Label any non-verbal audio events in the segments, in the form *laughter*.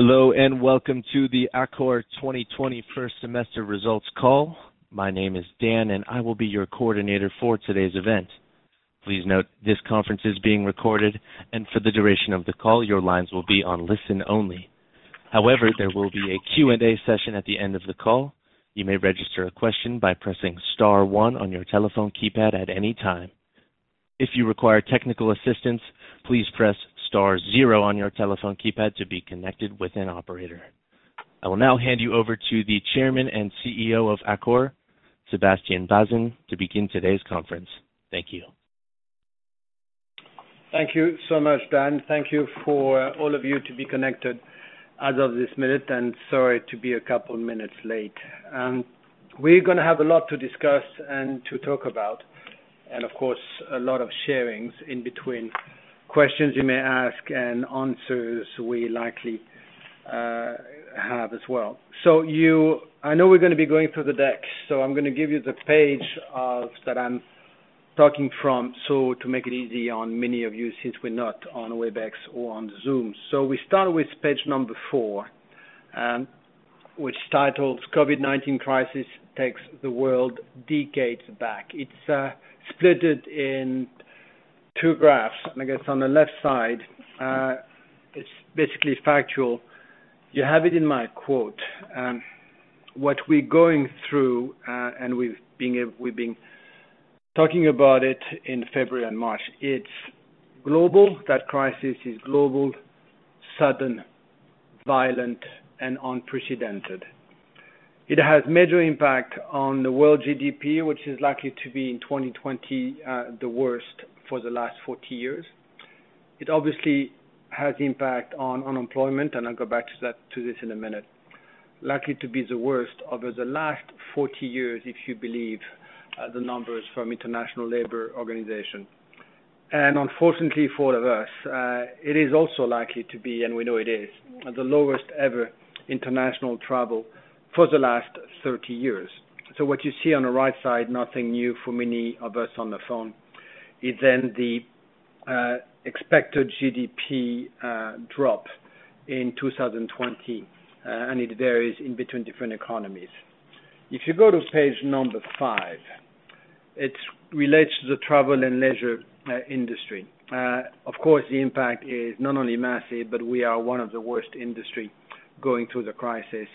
Hello and welcome to the Accor 2020 first semester results call. My name is [Dan] and I will be your operator for today's event. Please note this conference is being recorded and for the duration of the call, your lines will be on listen only. However, there will be a Q&A session at the end of the call. You may register a question by pressing star one on your telephone keypad at any time. If you require technical assistance, please press star zero on your telephone keypad to be connected with an operator. I will now hand you over to the Chairman and CEO of Accor, Sébastien Bazin, to begin today's conference. Thank you. Thank you so much, [Dan]. Thank you for all of you to be connected as of this minute, and sorry to be a couple of minutes late. We're going to have a lot to discuss and to talk about, and of course a lot of sharings in between questions you may ask and answers we likely have as well. I know we're going to be going through the deck, so I'm going to give you the page that I'm talking from to make it easy on many of you since we're not on Webex or on Zoom. We start with page number four, which is titled, "COVID-19 Crisis Takes the World Decades Back." It's split in two graphs. I guess on the left side, it's basically factual. You have it in my quote. What we're going through, and we've been talking about it in February and March, it's global. That crisis is global, sudden, violent, and unprecedented. It has major impact on the world GDP, which is likely to be in 2020 the worst for the last 40 years. It obviously has impact on unemployment, and I'll go back to this in a minute, likely to be the worst over the last 40 years, if you believe the numbers from International Labour Organization. Unfortunately for all of us, it is also likely to be, and we know it is, the lowest ever international travel for the last 30 years. What you see on the right side, nothing new for many of us on the phone, is then the expected GDP drop in 2020, and it varies in between different economies. If you go to page number five, it relates to the travel and leisure industry. Of course, the impact is not only massive, but we are one of the worst industry going through the crisis,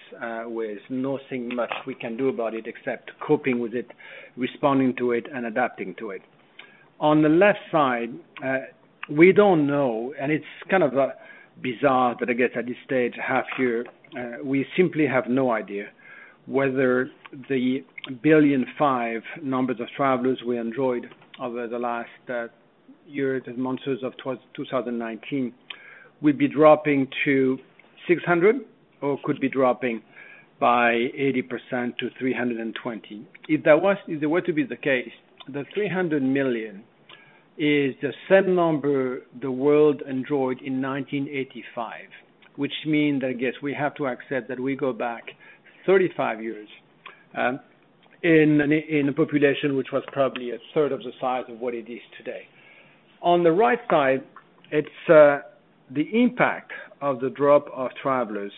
with nothing much we can do about it except coping with it, responding to it, and adapting to it. On the left side, we don't know, and it's kind of bizarre that I guess at this stage, half year, we simply have no idea whether the 1.5 billion number of travelers we enjoyed over the last years, months of 2019, will be dropping to 600 or could be dropping by 80% to 320. If that were to be the case, the 300 million is the same number the world enjoyed in 1985, which means that I guess we have to accept that we go back 35 years in a population which was probably a third of the size of what it is today. On the right side, it's the impact of the drop of travelers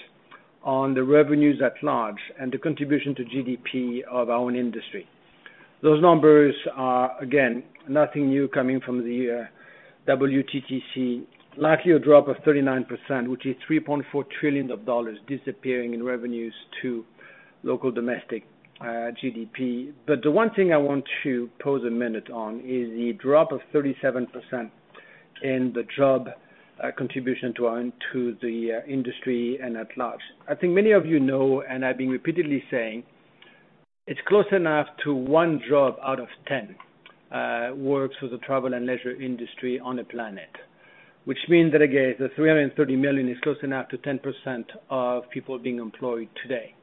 on the revenues at large and the contribution to GDP of our own industry. Those numbers are, again, nothing new coming from the WTTC, likely a drop of 39%, which is $3.4 trillion disappearing in revenues to local domestic GDP. But the one thing I want to pause a minute on is the drop of 37% in the job contribution to the industry and at large. I think many of you know, and I've been repeatedly saying, it's close enough to one job out of 10 works for the travel and leisure industry on the planet, which means that again, the 330 million is close enough to 10% of people being employed today.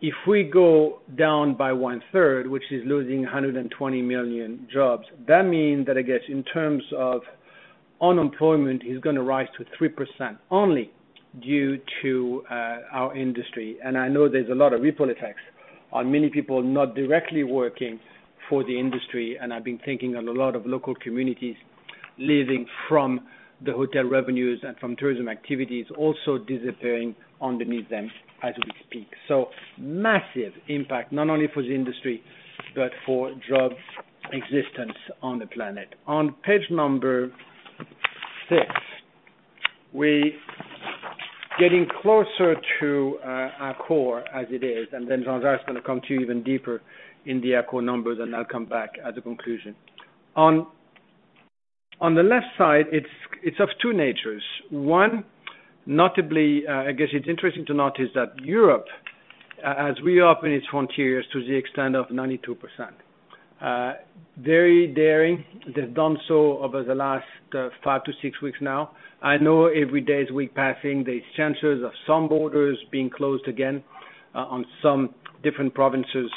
If we go down by one third, which is losing 120 million jobs, that means that I guess in terms of unemployment, it's going to rise to 3% only due to our industry, and I know there's a lot of ripple effects on many people not directly working for the industry, and I've been thinking on a lot of local communities living from the hotel revenues and from tourism activities also disappearing underneath them as we speak. Massive impact, not only for the industry, but for job existence on the planet. On page number six, we're getting closer to Accor as it is, and then Jean-Jacques is going to come to you even deeper in the Accor numbers, and I'll come back at the conclusion. On the left side, it's of two natures. One, notably, I guess it's interesting to notice that Europe, as we open its frontiers to the extent of 92%, very daring, they've done so over the last five to six weeks now. I know every day as we're passing, there's chances of some borders being closed again on some different provinces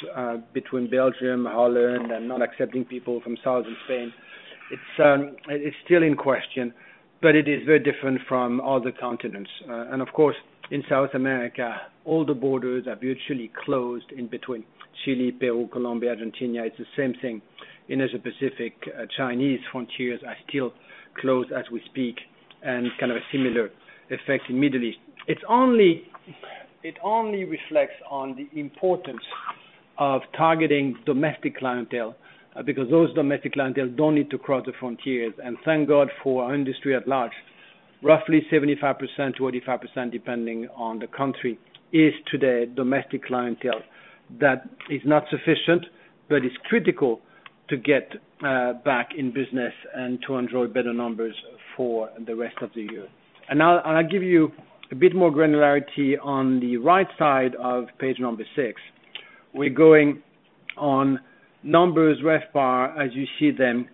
between Belgium, Holland, and not accepting people from southern Spain. It's still in question, but it is very different from other continents, and of course, in South America, all the borders are virtually closed in between Chile, Peru, Colombia, Argentina. It's the same thing in Asia Pacific. Chinese frontiers are still closed as we speak, and kind of a similar effect in the Middle East. It only reflects on the importance of targeting domestic clientele because those domestic clientele don't need to cross the frontiers. Thank God for our industry at large, roughly 75%-85%, depending on the country, is today domestic clientele that is not sufficient, but is critical to get back in business and to enjoy better numbers for the rest of the year. I'll give you a bit more granularity on the right side of page number six. We're going on numbers left bar as you see them,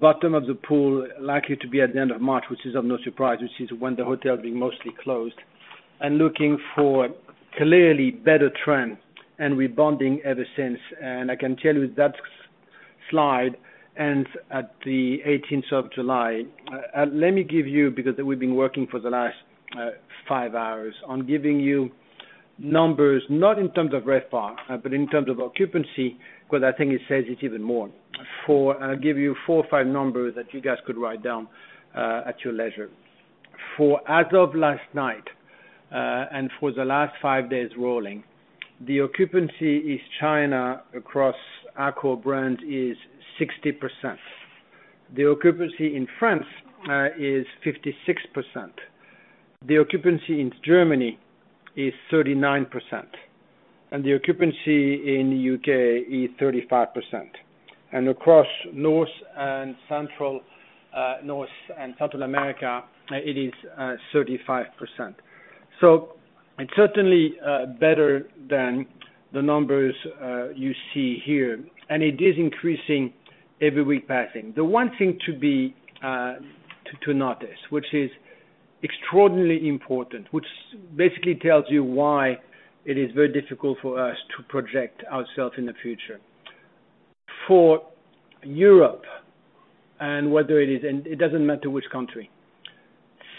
bottom of the pool, likely to be at the end of March, which is of no surprise, which is when the hotels are mostly closed, and looking for clearly better trends and rebounding ever since. I can tell you that slide ends at the 18th of July. Let me give you, because we've been working for the last five hours, on giving you numbers, not in terms of RevPAR, but in terms of occupancy, because I think it says it's even more. I'll give you four or five numbers that you guys could write down at your leisure. For as of last night and for the last five days rolling, the occupancy in China across Accor brand is 60%. The occupancy in France is 56%. The occupancy in Germany is 39%, and the occupancy in the UK is 35%, and across North and Central America, it is 35%. It's certainly better than the numbers you see here, and it is increasing every week passing. The one thing to notice, which is extraordinarily important, which basically tells you why it is very difficult for us to project ourselves in the future. For Europe and whether it is, and it doesn't matter which country,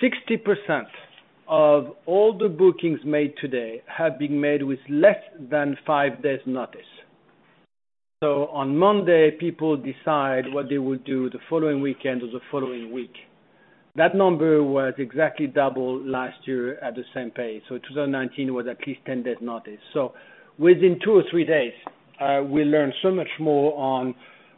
60% of all the bookings made today have been made with less than five days' notice. On Monday, people decide what they will do the following weekend or the following week. That number was exactly double last year at the same pace. 2019 was at least 10 days' notice. Within two or three days, we learned so much more on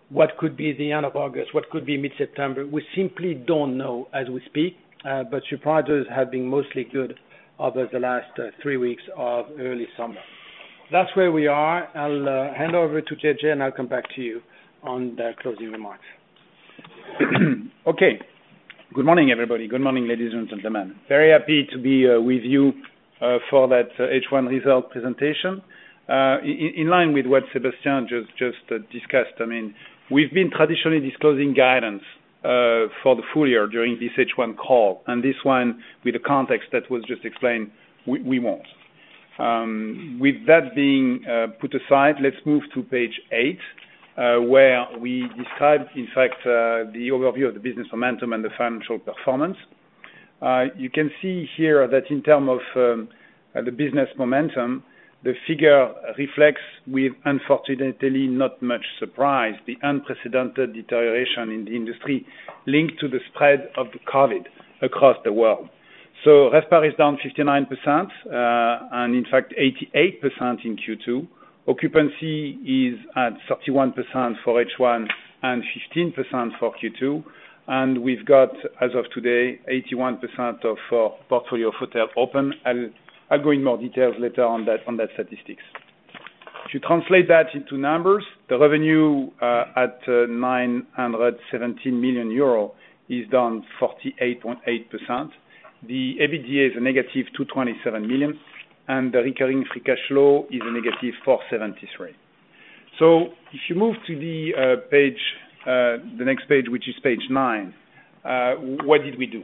what could be the end of August, what could be mid-September. We simply don't know as we speak, but surprises have been mostly good over the last three weeks of early summer. That's where we are. I'll hand over to JJ, and I'll come back to you on the closing remarks. Good morning, everybody. Good morning, ladies and gentlemen. Very happy to be with you for that H1 result presentation. In line with what Sébastien just discussed, we've been traditionally disclosing guidance for the full year during this H1 call, and this one, with the context that was just explained, we won't. With that being put aside, let's move to page eight, where we described, in fact, the overview of the business momentum and the financial performance. You can see here that in terms of the business momentum, the figure reflects, with unfortunately not much surprise, the unprecedented deterioration in the industry linked to the spread of COVID across the world. RevPAR is down 59%, and in fact, 88% in Q2. Occupancy is at 31% for H1 and 15% for Q2, and we've got, as of today, 81% of our portfolio of hotels open. I'll go into more details later on that statistics. To translate that into numbers, the revenue at 917 million euro is down 48.8%. The EBITDA is a negative 227 million, and the recurring free cash flow is a negative 473 million. If you move to the next page, which is page nine, what did we do?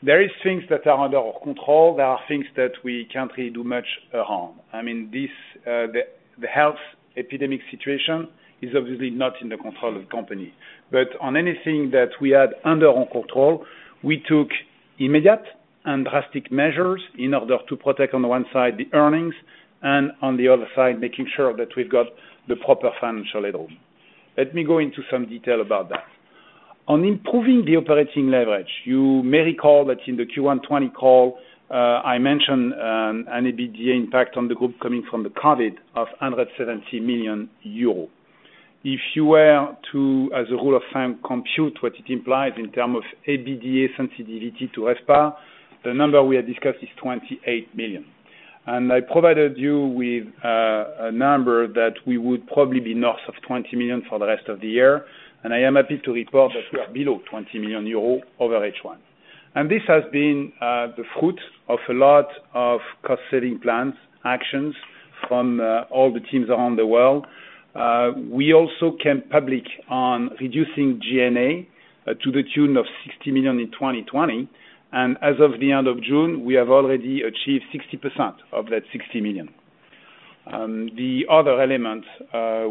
There are things that are under our control. There are things that we can't really do much around. The health epidemic situation is obviously not in the control of the company. But on anything that we had under our control, we took immediate and drastic measures in order to protect, on the one side, the earnings, and on the other side, making sure that we've got the proper financial headroom. Let me go into some detail about that. On improving the operating leverage, you may recall that in the Q120 call, I mentioned an EBITDA impact on the group coming from the COVID of 170 million euros. If you were to, as a rule of thumb, compute what it implies in terms of EBITDA sensitivity to RevPAR, the number we had discussed is 28 million. And I provided you with a number that we would probably be north of 20 million for the rest of the year, and I am happy to report that we are below 20 million euros over H1. This has been the fruit of a lot of cost-saving plans, actions from all the teams around the world. We also came public on reducing G&A to the tune of 60 million in 2020, and as of the end of June, we have already achieved 60% of that 60 million. The other element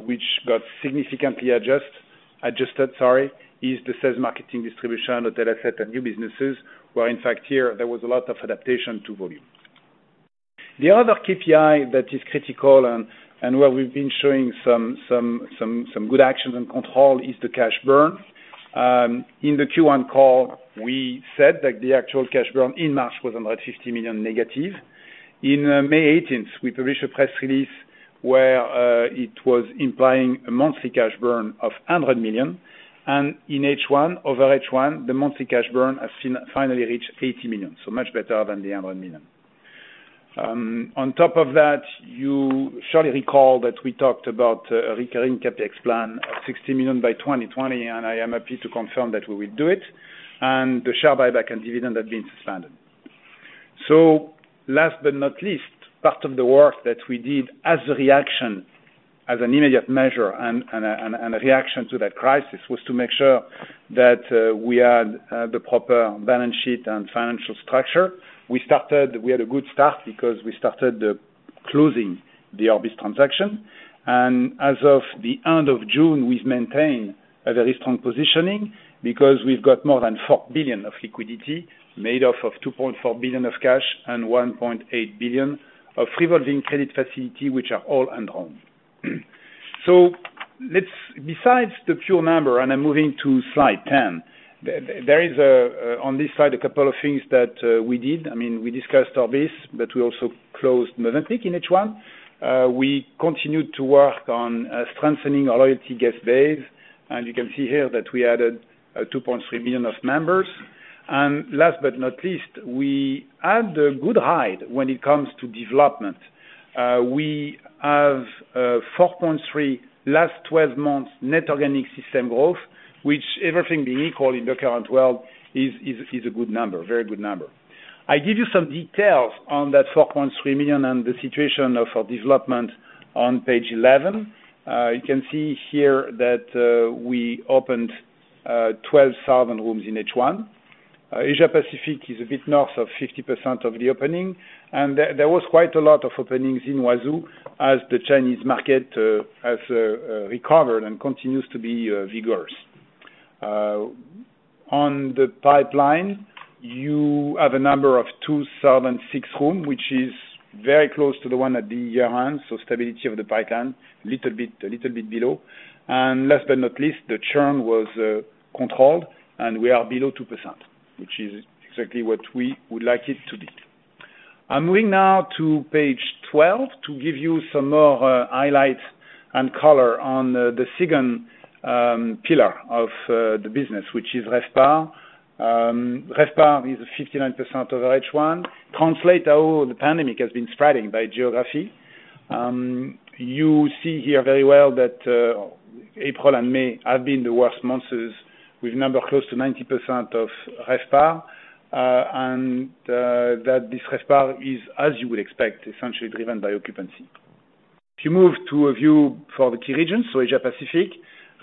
which got significantly adjusted is the sales marketing, distribution, hotel asset, and new businesses, where in fact, here, there was a lot of adaptation to volume. The other KPI that is critical and where we've been showing some good actions and control is the cash burn. In the Q1 call, we said that the actual cash burn in March was -€150 million. In May 18th, we published a press release where it was implying a monthly cash burn of €100 million, and in H1, over H1, the monthly cash burn has finally reached €80 million, so much better than the €100 million. On top of that, you surely recall that we talked about a recurring CapEx plan of €60 million by 2020, and I am happy to confirm that we will do it, and the share buyback and dividend had been suspended. Last but not least, part of the work that we did as a reaction, as an immediate measure and a reaction to that crisis, was to make sure that we had the proper balance sheet and financial structure. We had a good start because we started closing the Orbis transaction. And as of the end of June, we've maintained a very strong positioning because we've got more than 4 billion of liquidity made up of 2.4 billion of cash and 1.8 billion of revolving credit facility, which are all enrolled. Besides the pure number, and I'm moving to slide 10, there is on this slide a couple of things that we did. We discussed Orbis, but we also closed Mövenpick in H1. We continued to work on strengthening our loyalty guest base. And you can see here that we added 2.3 million of members. And last but not least, we had a good ride when it comes to development. We have 4.3 last 12 months net organic system growth, which, everything being equal in the current world, is a good number, very good number. I give you some details on that 4.3 million and the situation of our development on page 11. You can see here that we opened 12,000 rooms in H1. Asia Pacific is a bit north of 50% of the opening. And there was quite a lot of openings in Huazhu as the Chinese market has recovered and continues to be vigorous. On the pipeline, you have a number of 2,006 rooms, which is very close to the one at the year-end, so stability of the pipeline, a little bit below. Last but not least, the churn was controlled, and we are below 2%, which is exactly what we would like it to be. I'm moving now to page 12 to give you some more highlights and color on the second pillar of the business, which is RevPAR. RevPAR is 59% over H1. Translate how the pandemic has been spreading by geography. You see here very well that April and May have been the worst months with numbers close to 90% of RevPAR, and that this RevPAR is, as you would expect, essentially driven by occupancy. If you move to a view for the key regions, Asia Pacific,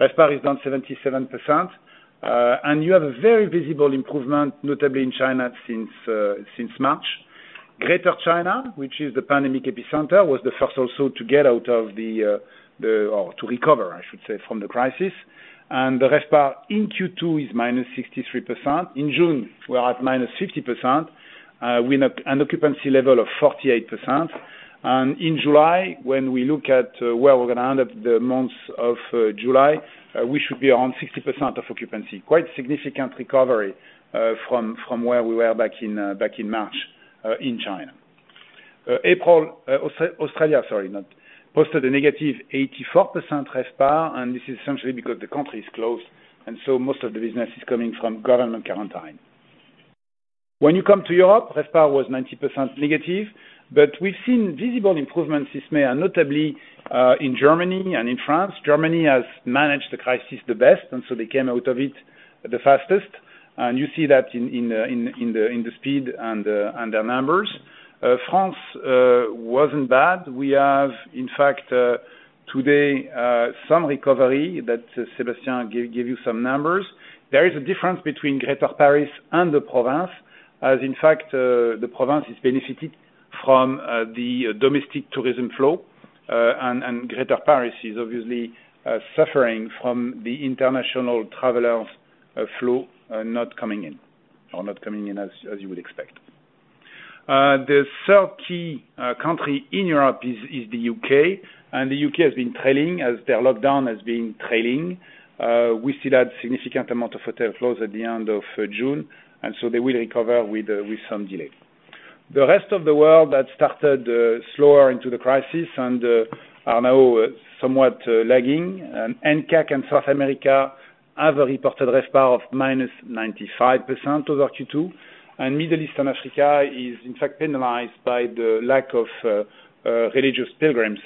RevPAR is down 77%. You have a very visible improvement, notably in China since March. Greater China, which is the pandemic epicenter, was the first also to get out of the, or to recover, I should say, from the crisis. The RevPAR in Q2 is -63%. In June, we're at -50% with an occupancy level of 48%. In July, when we look at where we're going to end up the months of July, we should be around 60% of occupancy. Quite significant recovery from where we were back in March in China. Australia posted a -84% RevPAR, and this is essentially because the country is closed, and so most of the business is coming from government quarantine. When you come to Europe, RevPAR was -90%, but we've seen visible improvements this May, notably in Germany and in France. Germany has managed the crisis the best, and so they came out of it the fastest. You see that in the speed and their numbers. France wasn't bad. We have, in fact, today some recovery that Sébastien gave you some numbers. There is a difference between Greater Paris and the province, as in fact, the province is benefiting from the domestic tourism flow, and Greater Paris is obviously suffering from the international travelers' flow not coming in, or not coming in as you would expect. The third key country in Europe is the UK, and the UK has been trailing as their lockdown has been trailing. We still had a significant amount of hotel closures at the end of June, and so they will recover with some delay. The rest of the world that started slower into the crisis and are now somewhat lagging. NCAC and South America have reported RevPAR of minus 95% over Q2. And Middle East and Africa is, in fact, penalized by the lack of religious pilgrims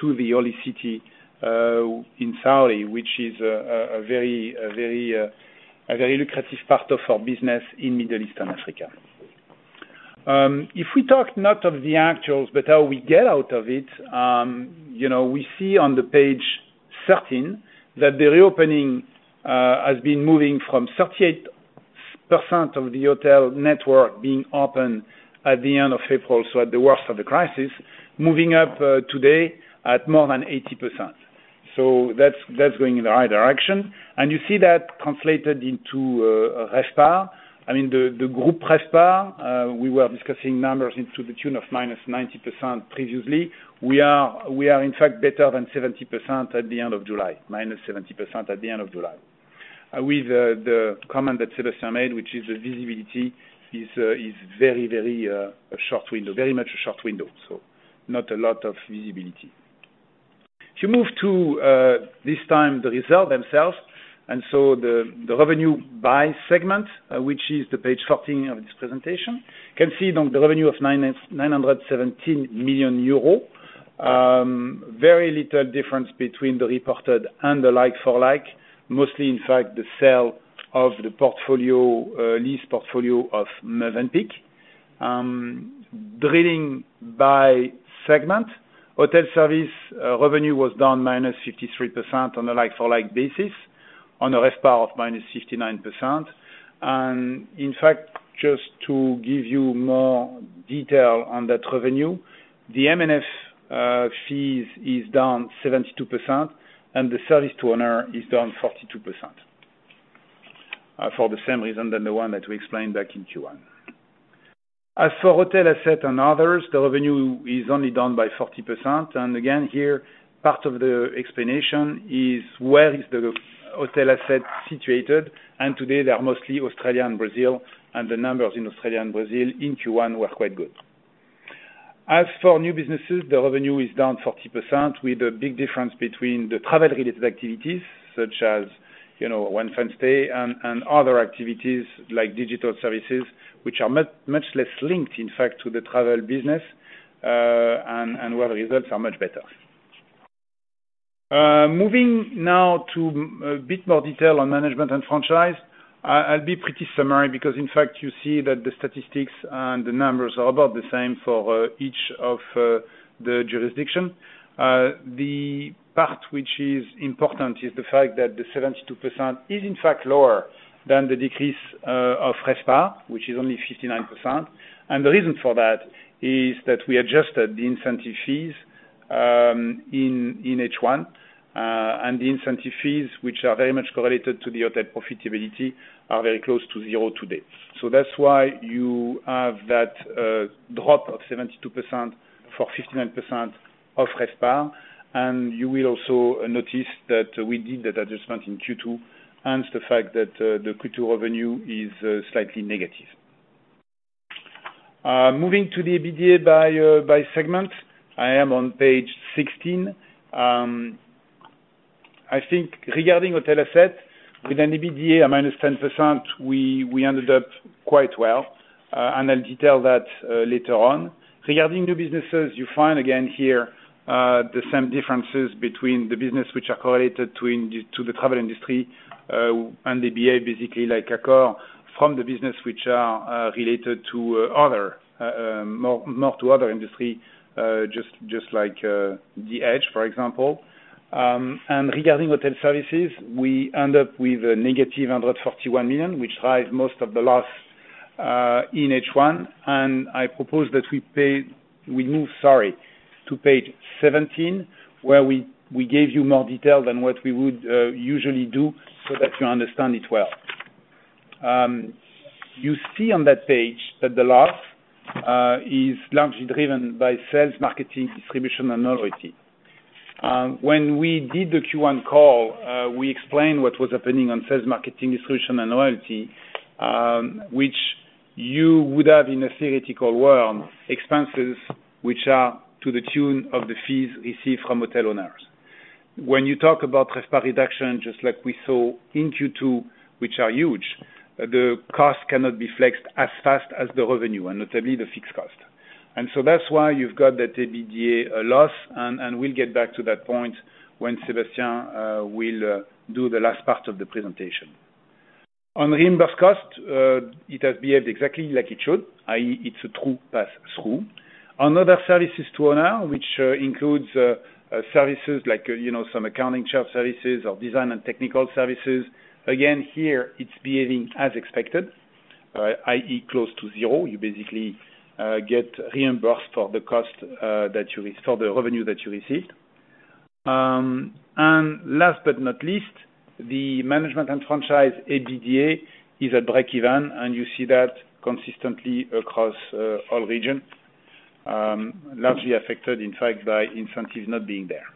to the Holy City in Saudi, which is a very lucrative part of our business in Middle East and Africa. If we talk not of the actuals, but how we get out of it, we see on page 13 that the reopening has been moving from 38% of the hotel network being open at the end of April, so at the worst of the crisis, moving up today at more than 80%. That's going in the right direction. And you see that translated into RevPAR. The group RevPAR, we were discussing numbers to the tune of minus 90% previously. We are, in fact, better than 70% at the end of July, minus 70% at the end of July. With the comment that Sébastien made, which is the visibility is very, very short window, very much a short window, so not a lot of visibility. If you move to this time, the results themselves, and so the revenue by segment, which is page 14 of this presentation, you can see the revenue of 917 million euros. Very little difference between the reported and the like-for-like, mostly, in fact, the sale of the portfolio, lease portfolio of Mövenpick. Drilling down by segment, hotel services revenue was down minus 53% on a like-for-like basis on a RevPAR of minus 59%. And in fact, just to give you more detail on that revenue, the M&F fees are down 72%, and the services to owners are down 42% for the same reason as the one that we explained back in Q1. As for hotel assets and others, the revenue is only down by 40%. And again, here, part of the explanation is where the hotel assets are situated. And today, they're mostly Australia and Brazil, and the numbers in Australia and Brazil in Q1 were quite good. As for new businesses, the revenue is down 40% with a big difference between the travel-related activities, such as Onefinestay and other activities like digital services, which are much less linked, in fact, to the travel business, and where the results are much better. Moving now to a bit more detail on management and franchise, I'll be pretty summary because, in fact, you see that the statistics and the numbers are about the same for each of the jurisdictions. The part which is important is the fact that the 72% is, in fact, lower than the decrease of RevPAR, which is only 59%. The reason for that is that we adjusted the incentive fees in H1, and the incentive fees, which are very much correlated to the hotel profitability, are very close to zero today. That's why you have that drop of 72% for 59% of RevPAR. You will also notice that we did that adjustment in Q2, hence the fact that the Q2 revenue is slightly negative. Moving to the EBITDA by segment, I am on page 16. I think regarding hotel asset, with an EBITDA of -10%, we ended up quite well, and I'll detail that later on. Regarding new businesses, you find again here the same differences between the business which are correlated to the travel industry and the EBITDA, basically like Accor, from the business which are related more to other industries, just like the D-EDGE, for example. Regarding hotel services, we end up with a negative €141 million, which drives most of the loss in H1. I propose that we move, sorry, to page 17, where we gave you more detail than what we would usually do so that you understand it well. You see on that page that the loss is largely driven by sales, marketing, distribution, and loyalty. When we did the Q1 call, we explained what was happening on sales, marketing, distribution, and loyalty, which you would have in a theoretical world, expenses which are to the tune of the fees received from hotel owners. When you talk about RevPAR reduction, just like we saw in Q2, which are huge, the cost cannot be flexed as fast as the revenue, and notably the fixed cost. And so that's why you've got that EBITDA loss, and we'll get back to that point when Sébastien will do the last part of the presentation. On reimbursed cost, it has behaved exactly like it should, i.e., it's a true pass-through. On other services to owner, which includes services like some accounting shelf services or design and technical services, again, here, it's behaving as expected, i.e., close to zero. You basically get reimbursed for the cost that you receive, for the revenue that you received. And last but not least, the management and franchise EBITDA is at break-even, and you see that consistently across all regions, largely affected, in fact, by incentives not being there.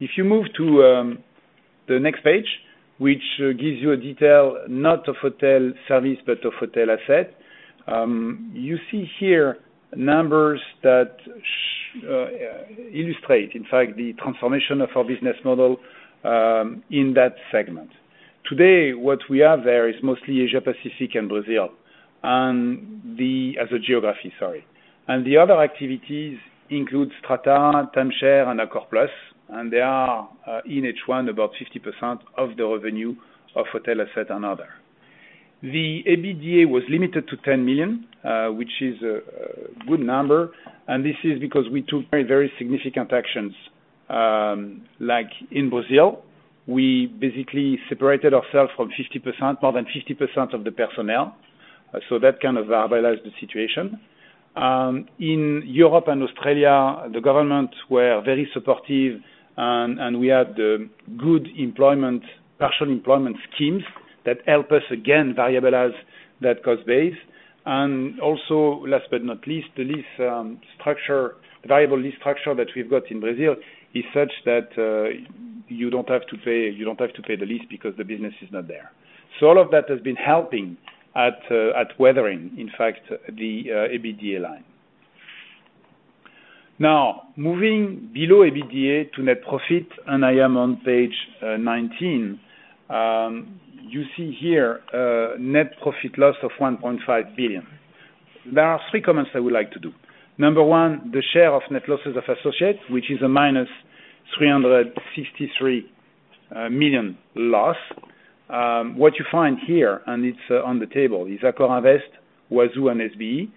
If you move to the next page, which gives you a detail, not of hotel service, but of hotel asset, you see here numbers that illustrate, in fact, the transformation of our business model in that segment. Today, what we have there is mostly Asia Pacific and Brazil as a geography, sorry, and the other activities include Strata, Timeshare and Accor Plus, and they are in H1 about 50% of the revenue of hotel asset and other. The EBITDA was limited to €10 million, which is a good number, and this is because we took very significant actions, like in Brazil. We basically separated ourselves from more than 50% of the personnel, so that kind of variabilized the situation. In Europe and Australia, the governments were very supportive, and we had good partial employment schemes that help us, again, variabilize that cost base. And also, last but not least, the lease structure, the variable lease structure that we've got in Brazil is such that you don't have to pay the lease because the business is not there. So all of that has been helping at weathering, in fact, the EBITDA line. Now, moving below EBITDA to net profit, and I am on page 19, you see here net profit loss of 1.5 billion. There are three comments I would like to do. Number one, the share of net losses of associates, which is a minus 363 million loss. What you find here, and it's on the table, is AccorInvest, Wazoo, and SBE.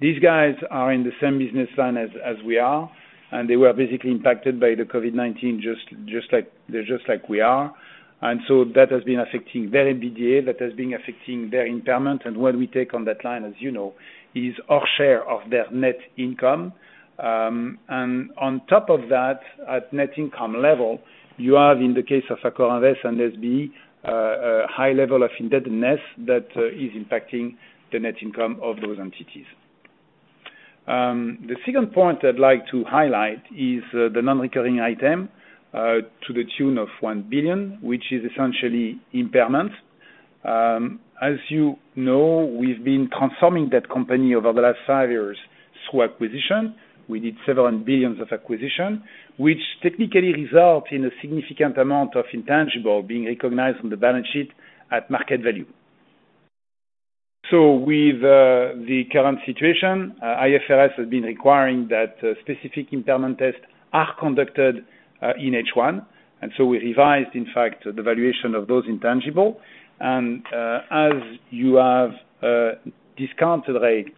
These guys are in the same business line as we are, and they were basically impacted by the COVID-19, just like we are. And so that has been affecting their EBITDA, that has been affecting their impairment, and what we take on that line, as you know, is our share of their net income. And on top of that, at net income level, you have, in the case of AccorInvest and SBE, a high level of indebtedness that is impacting the net income of those entities. The second point I'd like to highlight is the non-recurring item to the tune of 1 billion, which is essentially impairment. As you know, we've been transforming that company over the last five years through acquisition. We did several billions of acquisitions, which technically result in a significant amount of intangible being recognized on the balance sheet at market value. With the current situation, IFRS has been requiring that specific impairment tests are conducted in H1, and so we revised, in fact, the valuation of those intangibles. And as you have discount rate,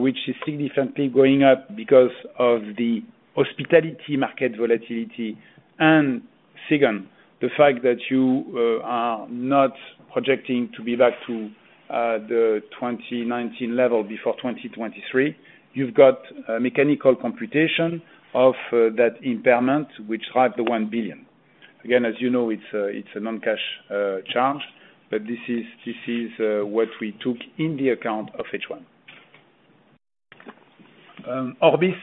which is significantly going up because of the hospitality market volatility and since the fact that you are not projecting to be back to the 2019 level before 2023, you've got mechanical computation of that impairment, which drives the 1 billion. Again, as you know, it's a non-cash charge, but this is what we took in the accounts of H1. Orbis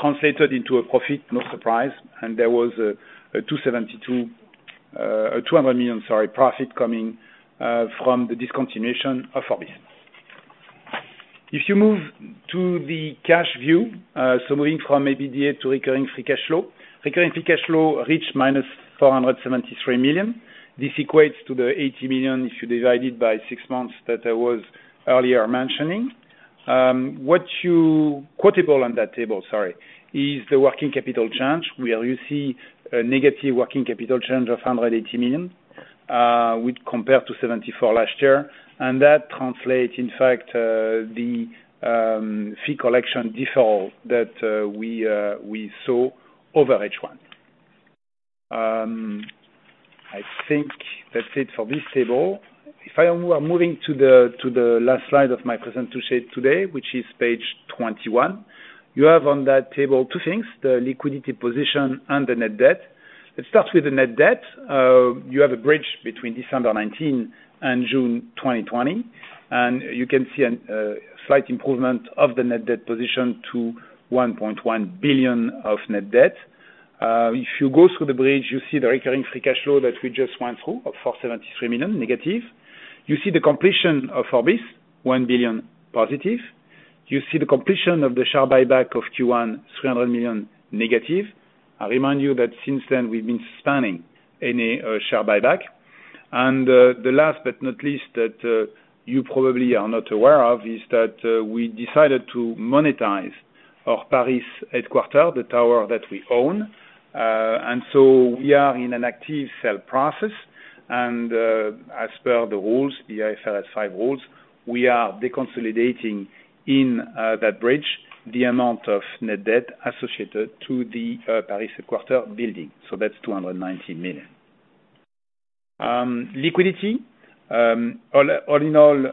translated into a profit, no surprise, and there was a 200 million, sorry, profit coming from the discontinuation of Orbis. If you move to the cash view, so moving from EBITDA to recurring free cash flow, recurring free cash flow reached -473 million. This equates to the 80 million if you divide it by six months that I was earlier mentioning. What is notable on that table, sorry, is the working capital change where you see a negative working capital change of 180 million compared to 74 million last year, and that translates, in fact, the fee collection deferral that we saw over H1. I think that's it for this table. If I were moving to the last slide of my presentation today, which is page 21, you have on that table two things: the liquidity position and the net debt. Let's start with the net debt. You have a bridge between December 2019 and June 2020, and you can see a slight improvement of the net debt position to 1.1 billion of net debt. If you go through the bridge, you see the recurring free cash flow that we just went through of 473 million, negative. You see the completion of Orbis, 1 billion positive. You see the completion of the share buyback of Q1, 300 million negative. I remind you that since then, we've been suspending any share buyback. The last but not least that you probably are not aware of is that we decided to monetize our Paris headquarters, the tower that we own. So we are in an active sale process, and as per the rules, the IFRS 5 rules, we are deconsolidating in that bridge the amount of net debt associated to the Paris headquarters building. So that's 290 million. Liquidity, all in all,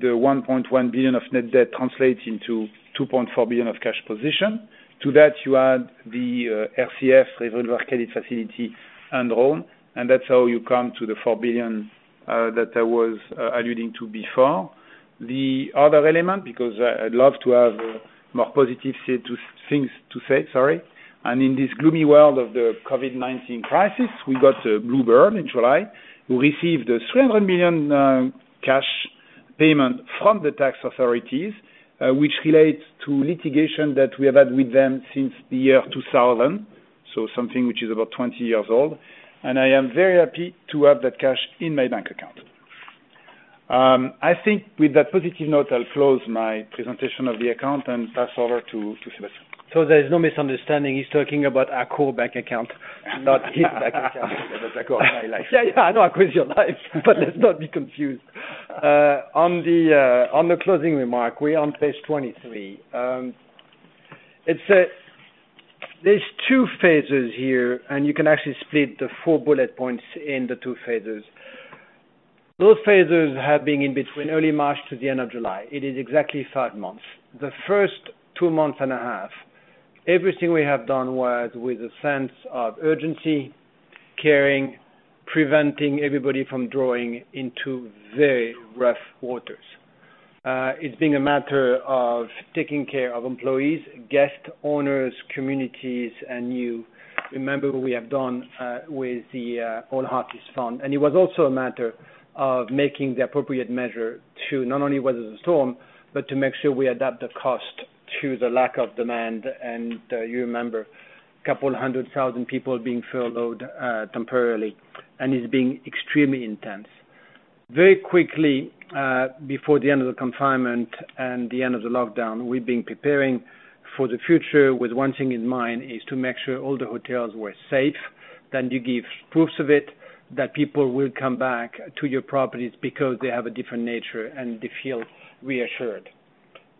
the 1.1 billion of net debt translates into 2.4 billion of cash position. To that, you add the RCF, revolver, credit facility, and drawn, and that's how you come to the €4 billion that I was alluding to before. The other element, because I'd love to have more positive things to say, sorry, and in this gloomy world of the COVID-19 crisis, we got a bluebird in July. We received a €300 million cash payment from the tax authorities, which relates to litigation that we have had with them since the year 2000, so something which is about 20 years old, and I am very happy to have that cash in my bank account. I think with that positive note, I'll close my presentation of the account and pass over to Sébastien. So there's no misunderstanding. He's talking about Accor bank account, not his bank account, but Accor's high life. Yeah, yeah, I know Accor's high life, but let's not be confused. On the closing remark, we're on page 23. There's two phases here, and you can actually split the four bullet points in the two phases. Those phases have been in between early March to the end of July. It is exactly five months. The first two months and a half, everything we have done was with a sense of urgency, caring, preventing everybody from drawing into very rough waters. It's been a matter of taking care of employees, guests, owners, communities, and you. Remember what we have done with the ALL Heartist Fund. And it was also a matter of making the appropriate measure to not only weather the storm, but to make sure we adapt the cost to the lack of demand. And you remember a couple hundred thousand people being furloughed temporarily, and it's been extremely intense. Very quickly, before the end of the confinement and the end of the lockdown, we've been preparing for the future with one thing in mind, which is to make sure all the hotels were safe. Then you give proofs of it that people will come back to your properties because they have a different nature and they feel reassured.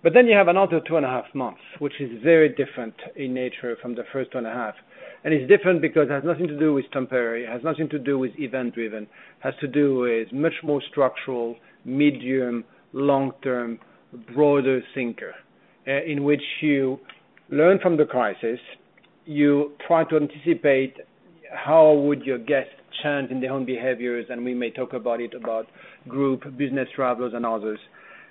But then you have another two and a half months, which is very different in nature from the first two and a half. And it's different because it has nothing to do with temporary. It has nothing to do with event-driven. It has to do with much more structural, medium, long-term, broader thinker, in which you learn from the crisis. You try to anticipate how your guests would change in their own behaviors, and we may talk about it, about group, business travelers, and others.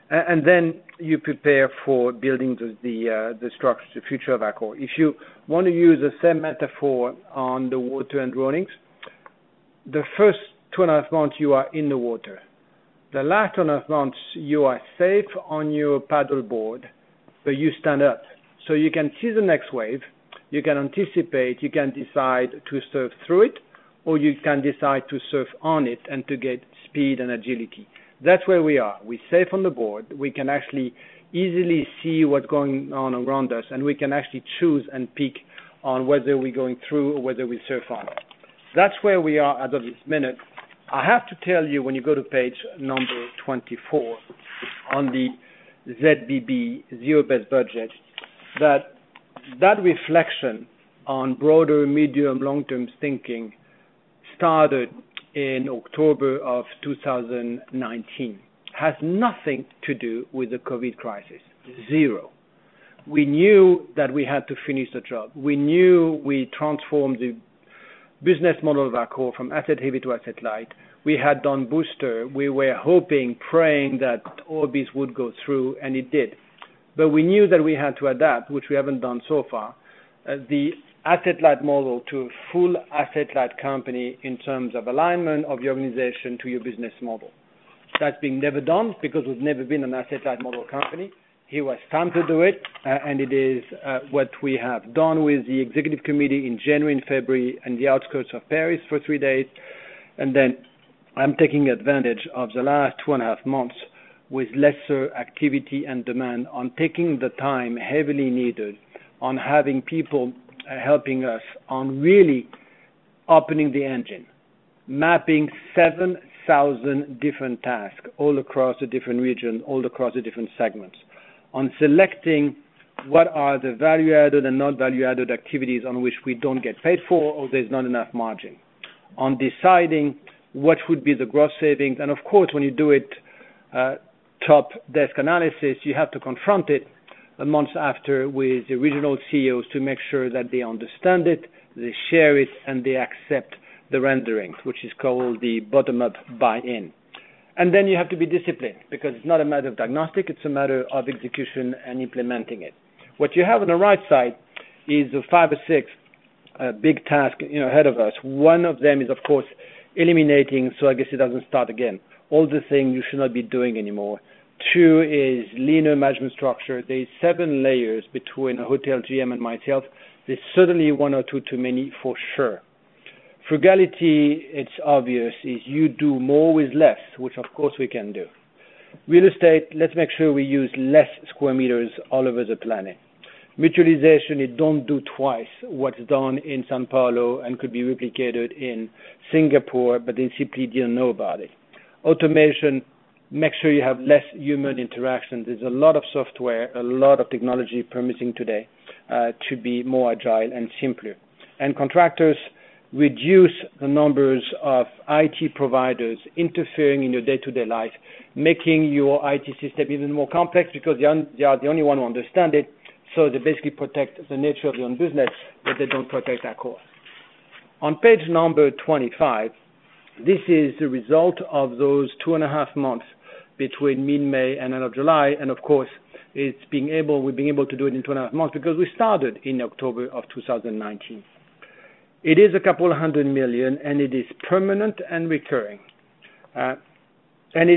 And then you prepare for building the structure, the future of Accor. If you want to use the same metaphor on the water and drownings, the first two and a half months, you are in the water. The last two and a half months, you are safe on your paddleboard, but you stand up. So you can see the next wave, you can anticipate, you can decide to surf through it, or you can decide to surf on it and to get speed and agility. That's where we are. We're safe on the board. We can actually easily see what's going on around us, and we can actually choose and pick on whether we're going through or whether we surf on. That's where we are at this minute. I have to tell you, when you go to page number 24 on the ZBB, zero-based budgeting, that that reflection on broader, medium, long-term thinking started in October of 2019, has nothing to do with the COVID crisis, zero. We knew that we had to finish the job. We knew we transformed the business model of Accor from asset-heavy to asset-light. We had done booster. We were hoping, praying that Orbis would go through, and it did. But we knew that we had to adapt, which we haven't done so far, the asset-light model to a full asset-light company in terms of alignment of your organization to your business model. That's been never done because we've never been an asset-light model company. Here we stand to do it, and it is what we have done with the executive committee in January and February and the outskirts of Paris for three days, and then I'm taking advantage of the last two and a half months with lesser activity and demand on taking the time heavily needed on having people helping us on really opening the engine, mapping 7,000 different tasks all across the different regions, all across the different segments, on selecting what are the value-added and non-value-added activities on which we don't get paid for or there's not enough margin, on deciding what would be the gross savings, and of course, when you do it, top-down analysis, you have to confront it a month after with the regional CEOs to make sure that they understand it, they share it, and they accept the rendering, which is called the bottom-up buy-in. And then you have to be disciplined because it's not a matter of diagnosis, it's a matter of execution and implementing it. What you have on the right side is the five or six big tasks ahead of us. One of them is, of course, eliminating so I guess it doesn't start again. All the things you should not be doing anymore. Two is leaner management structure. There are seven layers between a hotel GM and myself. There's certainly one or two too many for sure. Frugality, it's obvious, is you do more with less, which of course we can do. Real estate, let's make sure we use less square meters all over the planet. Mutualization, you don't do twice what's done in São Paulo and could be replicated in Singapore, but they simply didn't know about it. Automation, make sure you have less human interaction. There's a lot of software, a lot of technology permitting today to be more agile and simpler. And contractors, reduce the numbers of IT providers interfering in your day-to-day life, making your IT system even more complex because they are the only ones who understand it. So they basically protect the nature of your own business, but they don't protect Accor. On page number 25, this is the result of those two and a half months between mid-May and end of July. And of course, we've been able to do it in two and a half months because we started in October of 2019. It is 200 million, and it is permanent and recurring. It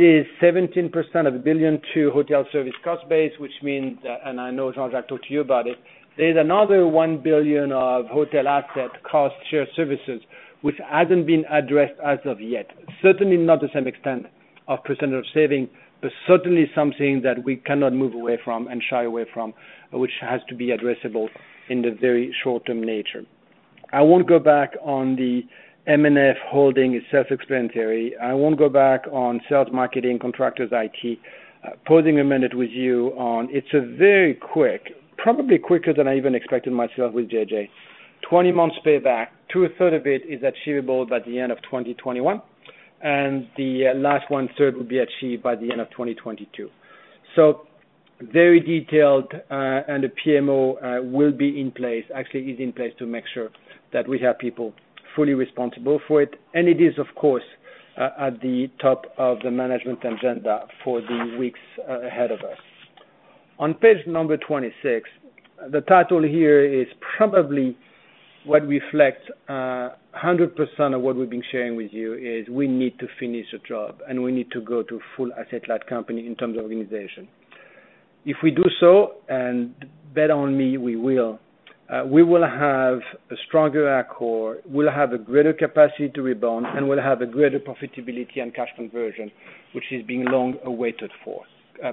is 17% of 1 billion to hotel service cost base, which means, and I know Jean-Jacques talked to you about it, there's another 1 billion of hotel asset cost share services, which hasn't been addressed as of yet. Certainly not the same extent of percent of saving, but certainly something that we cannot move away from and shy away from, which has to be addressable in the very short-term nature. I won't go back on the M&F holding is self-explanatory. I won't go back on sales marketing, contractors, IT. Pausing a minute with you on, it's a very quick, probably quicker than I even expected myself with JJ. 20 months payback, two-thirds of it is achievable by the end of 2021, and the last one-third will be achieved by the end of 2022. So very detailed, and the PMO will be in place, actually is in place to make sure that we have people fully responsible for it. And it is, of course, at the top of the management agenda for the weeks ahead of us. On page number 26, the title here is probably what reflects 100% of what we've been sharing with you is we need to finish the job, and we need to go to a full asset-light company in terms of organization. If we do so, and bet on me, we will. We will have a stronger Accor, we'll have a greater capacity to rebound, and we'll have a greater profitability and cash conversion, which is being long awaited for.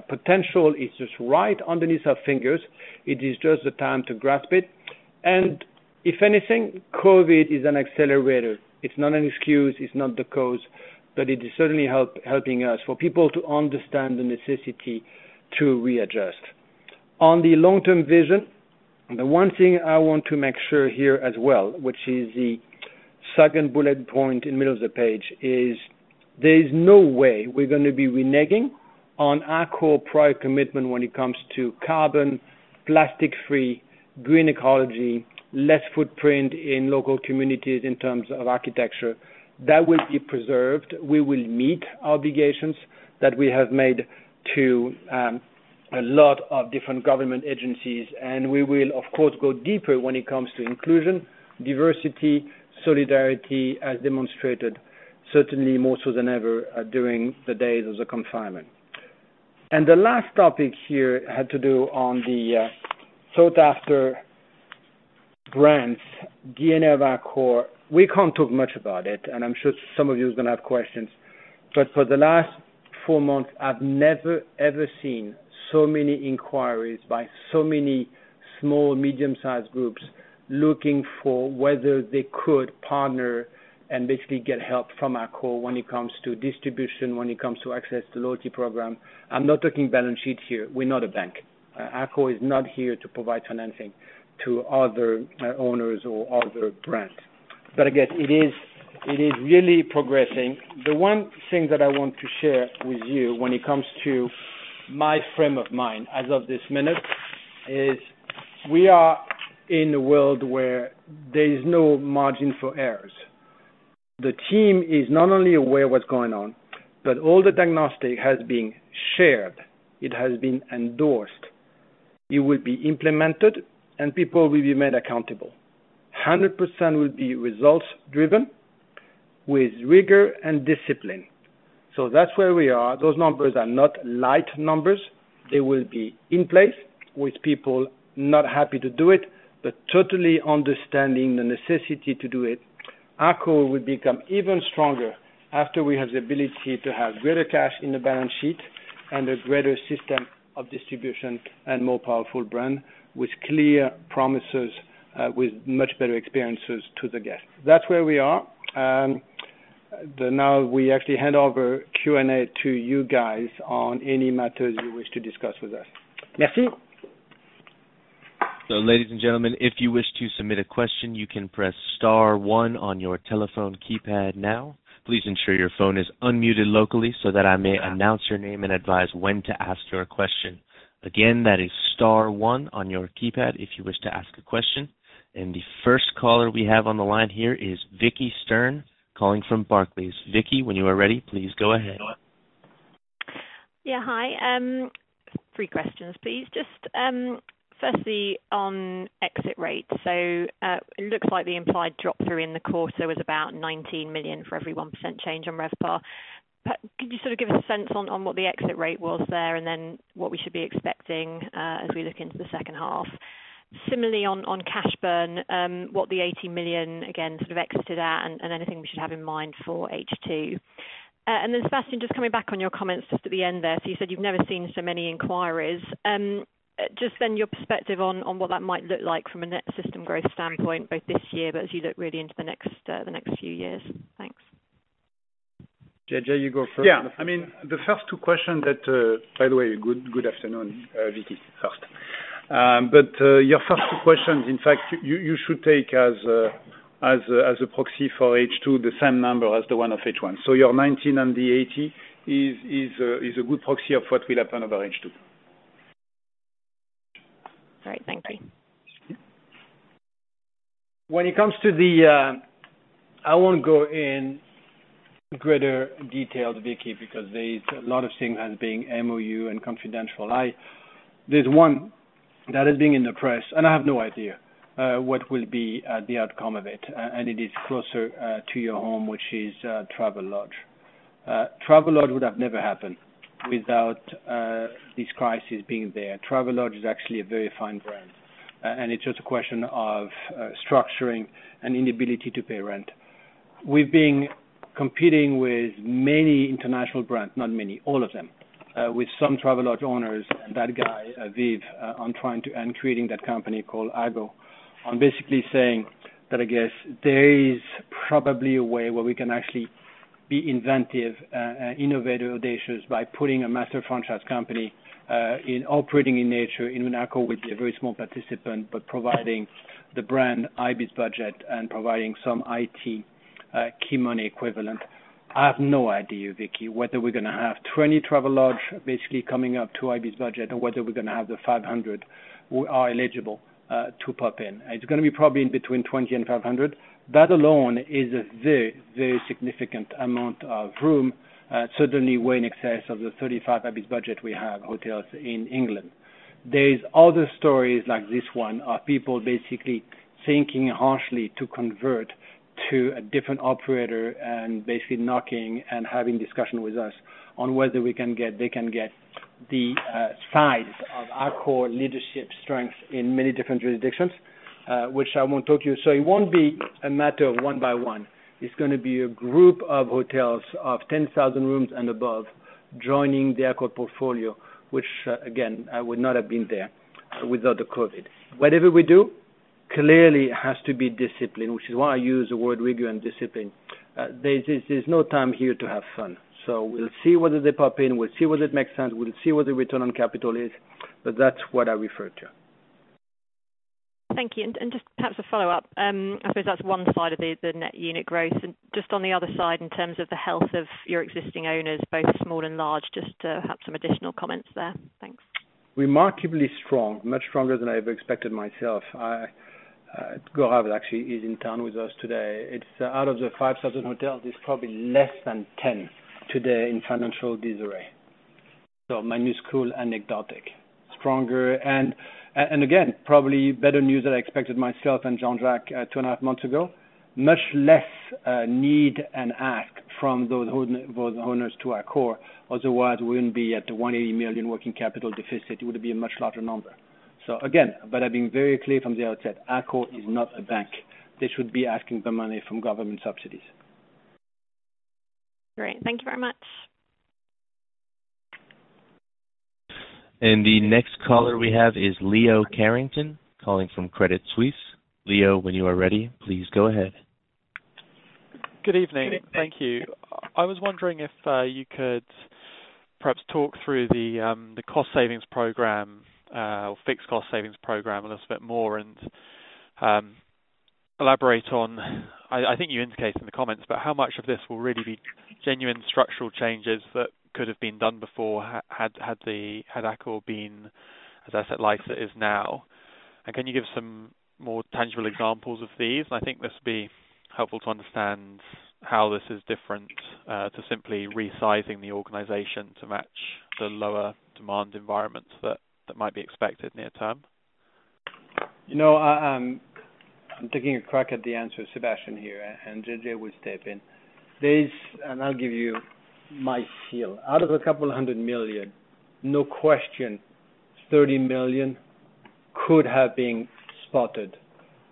Potential is just right underneath our fingers. It is just the time to grasp it. And if anything, COVID is an accelerator. It's not an excuse, it's not the cause, but it is certainly helping us for people to understand the necessity to readjust. On the long-term vision, the one thing I want to make sure here as well, which is the second bullet point in the middle of the page, is there is no way we're going to be reneging on our core prior commitment when it comes to carbon, plastic-free, green ecology, less footprint in local communities in terms of architecture. That will be preserved. We will meet obligations that we have made to a lot of different government agencies, and we will, of course, go deeper when it comes to inclusion, diversity, solidarity, as demonstrated, certainly more so than ever during the days of the confinement, and the last topic here had to do on the sought-after grants, DNA of Accor. We can't talk much about it, and I'm sure some of you are going to have questions, but for the last four months, I've never, ever seen so many inquiries by so many small, medium-sized groups looking for whether they could partner and basically get help from Accor when it comes to distribution, when it comes to access to loyalty program. I'm not talking balance sheet here. We're not a bank. Accor is not here to provide financing to other owners or other brands. But again, it is really progressing. The one thing that I want to share with you when it comes to my frame of mind as of this minute is we are in a world where there is no margin for errors. The team is not only aware of what's going on, but all the diagnostic has been shared. It has been endorsed. It will be implemented, and people will be made accountable. 100% will be results-driven with rigor and discipline. So that's where we are. Those numbers are not light numbers. They will be in place with people not happy to do it, but totally understanding the necessity to do it. Accor will become even stronger after we have the ability to have greater cash in the balance sheet and a greater system of distribution and more powerful brand with clear promises, with much better experiences to the guests. That's where we are. Now we actually hand over Q&A to you guys on any matters you wish to discuss with us. Merci. So, ladies and gentlemen, if you wish to submit a question, you can press star one on your telephone keypad now. Please ensure your phone is unmuted locally so that I may announce your name and advise when to ask your question. Again, that is star one on your keypad if you wish to ask a question. And the first caller we have on the line here is Vicki Stern calling from Barclays. Vicki, when you are ready, please go ahead. Yeah, hi. Three questions, please. Just firstly on exit rates. So it looks like the implied drop-through in the quarter was about 19 million for every 1% change on RevPAR. Could you sort of give us a sense on what the exit rate was there and then what we should be expecting as we look into the second half? Similarly, on cash burn, what the 80 million, again, sort of exited at and anything we should have in mind for H2. And then, Sébastien, just coming back on your comments just at the end there. So you said you've never seen so many inquiries. Just then your perspective on what that might look like from a net system growth standpoint, both this year, but as you look really into the next few years. Thanks. JJ, you go first. I mean, the first two questions that, by the way, good afternoon, Vicki, first. But your first two questions, in fact, you should take as a proxy for H2 the same number as the one of H1. So your 19 and the 80 is a good proxy of what will happen over H2. All right, thank you. When it comes to the, I won't go in greater detail, Vicki, because there's a lot of things that are being MOU and confidential. There's one that is being in the press, and I have no idea what will be the outcome of it, and it is closer to your home, which is Travelodge. Travelodge would have never happened without this crisis being there. Travelodge is actually a very fine brand, and it's just a question of structuring and inability to pay rent. We've been competing with many international brands, not many, all of them, with some Travelodge owners, that guy, Viv, on trying to and creating that company called Ago, on basically saying that, I guess, there is probably a way where we can actually be inventive, innovative, audacious by putting a master franchise company in operating in nature in an Accor with a very small participant, but providing the brand ibis budget and providing some IT key money equivalent. I have no idea, Vicki, whether we're going to have 20 Travelodge basically coming up to Ibis budget or whether we're going to have the 500 who are eligible to pop in. It's going to be probably between 20 and 500. That alone is a very, very significant amount of room, certainly way in excess of the 35 Ibis budget we have hotels in England. There's other stories like this one of people basically thinking hard to convert to a different operator and basically knocking and having discussion with us on whether we can get, they can get the size of Accor leadership strength in many different jurisdictions, which I won't talk to you. So it won't be a matter of one by one. It's going to be a group of hotels of 10,000 rooms and above joining the Accor portfolio, which, again, would not have been there without the COVID. Whatever we do, clearly has to be discipline, which is why I use the word rigor and discipline. There's no time here to have fun. So we'll see whether they pop in. We'll see whether it makes sense. We'll see what the return on capital is. But that's what I refer to. Thank you. And just perhaps a follow-up. I suppose that's one side of the net unit growth. And just on the other side, in terms of the health of your existing owners, both small and large, just perhaps some additional comments there. Thanks. Remarkably strong, much stronger than I ever expected myself. Gaurav actually is in town with us today. Out of the 5,000 hotels, there's probably less than 10 today in financial disarray. So minuscule, anecdotal. Stronger. And again, probably better news than I expected myself and Jean-Jacques two and a half months ago. Much less need and ask from those owners to Accor. Otherwise, we wouldn't be at the €180 million working capital deficit. It would have been a much larger number. So again, but I've been very clear from the outset, Accor is not a bank. They should be asking for money from government subsidies. Great. Thank you very much. And the next caller we have is Leo Carrington calling from Credit Suisse. Leo, when you are ready, please go ahead. Good evening. Thank you. I was wondering if you could perhaps talk through the cost savings program, fixed cost savings program a little bit more, and elaborate on, I think you indicated in the comments, but how much of this will really be genuine structural changes that could have been done before had Accor been, as I said, like it is now. And can you give some more tangible examples of these? And I think this would be helpful to understand how this is different to simply resizing the organization to match the lower demand environment that might be expected near term. I'm taking a crack at the answer, Sébastien, here, and JJ will step in. And I'll give you my feel. Out of a couple hundred million, no question, €30 million could have been spotted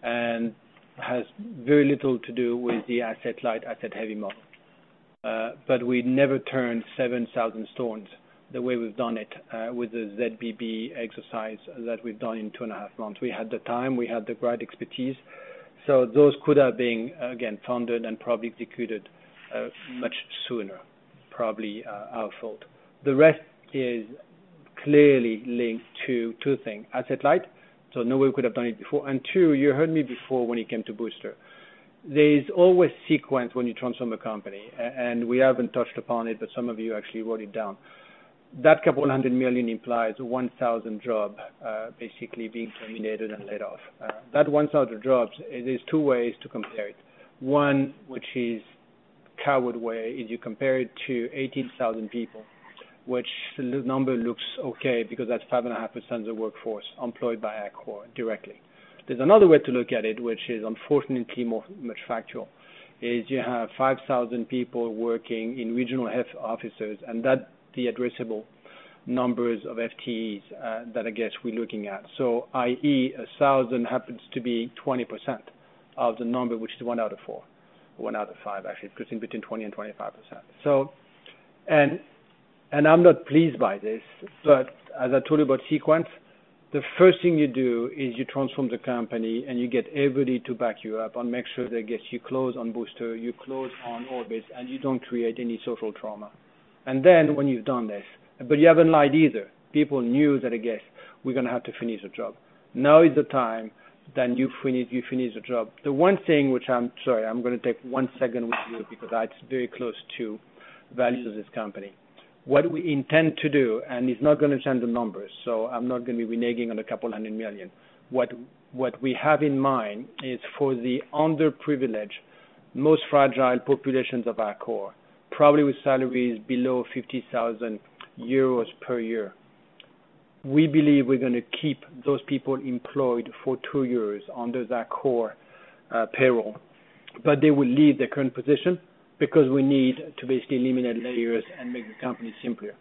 and has very little to do with the asset-light, asset-heavy model. But we never turned 7,000 stones the way we've done it with the ZBB exercise that we've done in two and a half months. We had the time. We had the right expertise. So those could have been, again, funded and probably executed much sooner, probably our fault. The rest is clearly linked to two things. Asset-light, so no one could have done it before. And two, you heard me before when it came to booster. There's always sequence when you transform a company. And we haven't touched upon it, but some of you actually wrote it down. That couple hundred million implies 1,000 jobs basically being terminated and laid off. That 1,000 jobs, there's two ways to compare it. One, which is coward way, is you compare it to 18,000 people, which the number looks okay because that's 5.5% of the workforce employed by Accor directly. There's another way to look at it, which is unfortunately much factual, is you have 5,000 people working in regional health offices, and that's the addressable numbers of FTEs that, I guess, we're looking at. So, i.e., 1,000 happens to be 20% of the number, which is one out of four, one out of five, actually, because it's between 20%-25%. And I'm not pleased by this, but as I told you about sequence, the first thing you do is you transform the company and you get everybody to back you up and make sure they get you closed on Booster, you close on Orbis, and you don't create any social trauma, and then when you've done this, but you haven't lied either. People knew that, I guess, we're going to have to finish the job. Now is the time that you finish the job. The one thing which I'm sorry, I'm going to take one second with you because it's very close to values of this company. What we intend to do, and it's not going to change the numbers, so I'm not going to be reneging on a couple hundred million. What we have in mind is for the underprivileged, most fragile populations of Accor, probably with salaries below 50,000 euros per year. We believe we're going to keep those people employed for two years under that core payroll, but they will leave their current position because we need to basically eliminate layers and make the company simpler.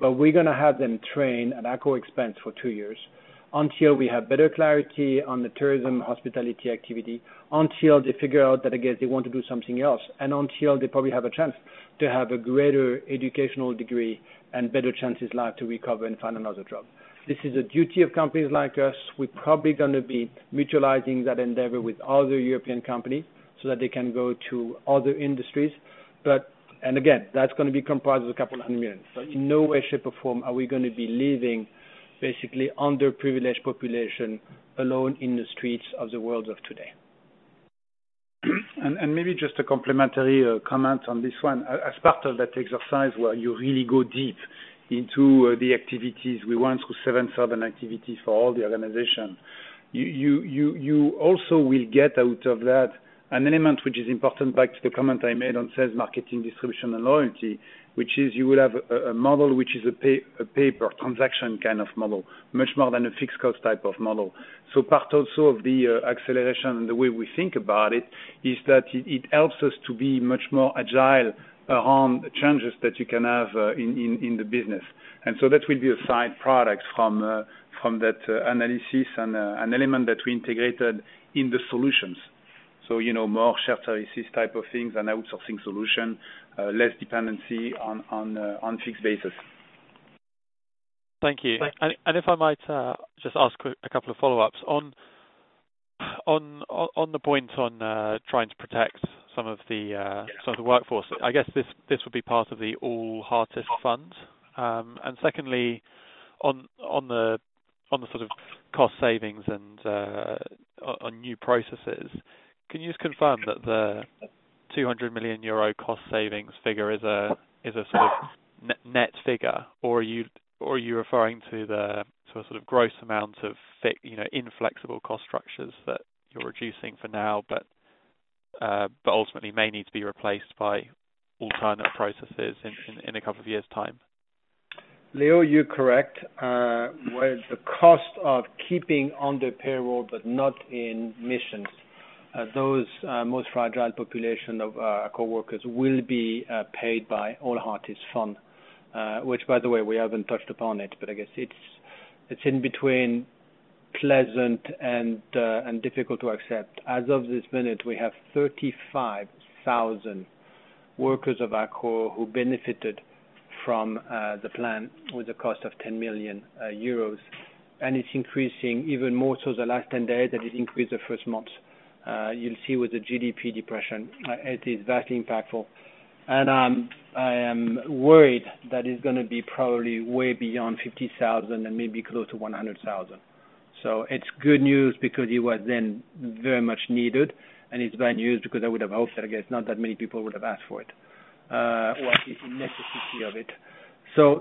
But we're going to have them train at Accor's expense for two years until we have better clarity on the tourism hospitality activity, until they figure out that, I guess, they want to do something else, and until they probably have a chance to have a greater educational degree and better chances in life to recover and find another job. This is a duty of companies like us. We're probably going to be mutualizing that endeavor with other European companies so that they can go to other industries. But again, that's going to be comprised of a couple hundred million. But in no way, shape, or form are we going to be leaving basically underprivileged population alone in the streets of the world of today. And maybe just a complementary comment on this one. As part of that exercise where you really go deep into the activities, we went through seven activities for all the organizations. You also will get out of that an element which is important back to the comment I made on sales marketing, distribution, and loyalty, which is you will have a model which is a pay-per-transaction kind of model, much more than a fixed cost type of model. So part also of the acceleration and the way we think about it is that it helps us to be much more agile around the changes that you can have in the business. And so that will be a side product from that analysis and an element that we integrated in the solutions. So more shared services type of things and outsourcing solution, less dependency on fixed base. Thank you. If I might just ask a couple of follow-ups on the points on trying to protect some of the workforce. I guess this would be part of the All Heartist Fund. And secondly, on the sort of cost savings and new processes, can you just confirm that the 200 million euro cost savings figure is a sort of net figure, or are you referring to the sort of gross amount of inflexible cost structures that you're reducing for now, but ultimately may need to be replaced by alternative processes in a couple of years' time? Leo, you're correct. The cost of keeping on the payroll, but not in missions, those most fragile population of coworkers will be paid by All Heartist Fund, which, by the way, we haven't touched upon it, but I guess it's in between pleasant and difficult to accept. As of this minute, we have 35,000 workers of Accor who benefited from the plan with a cost of 10 million euros, and it's increasing even more so the last 10 days that it increased the first month. You'll see with the GDP depression, it is vastly impactful, and I am worried that it's going to be probably way beyond 50,000 and maybe close to 100,000. It's good news because it was then very much needed, and it's bad news because I would have hoped that, I guess, not that many people would have asked for it or the necessity of it.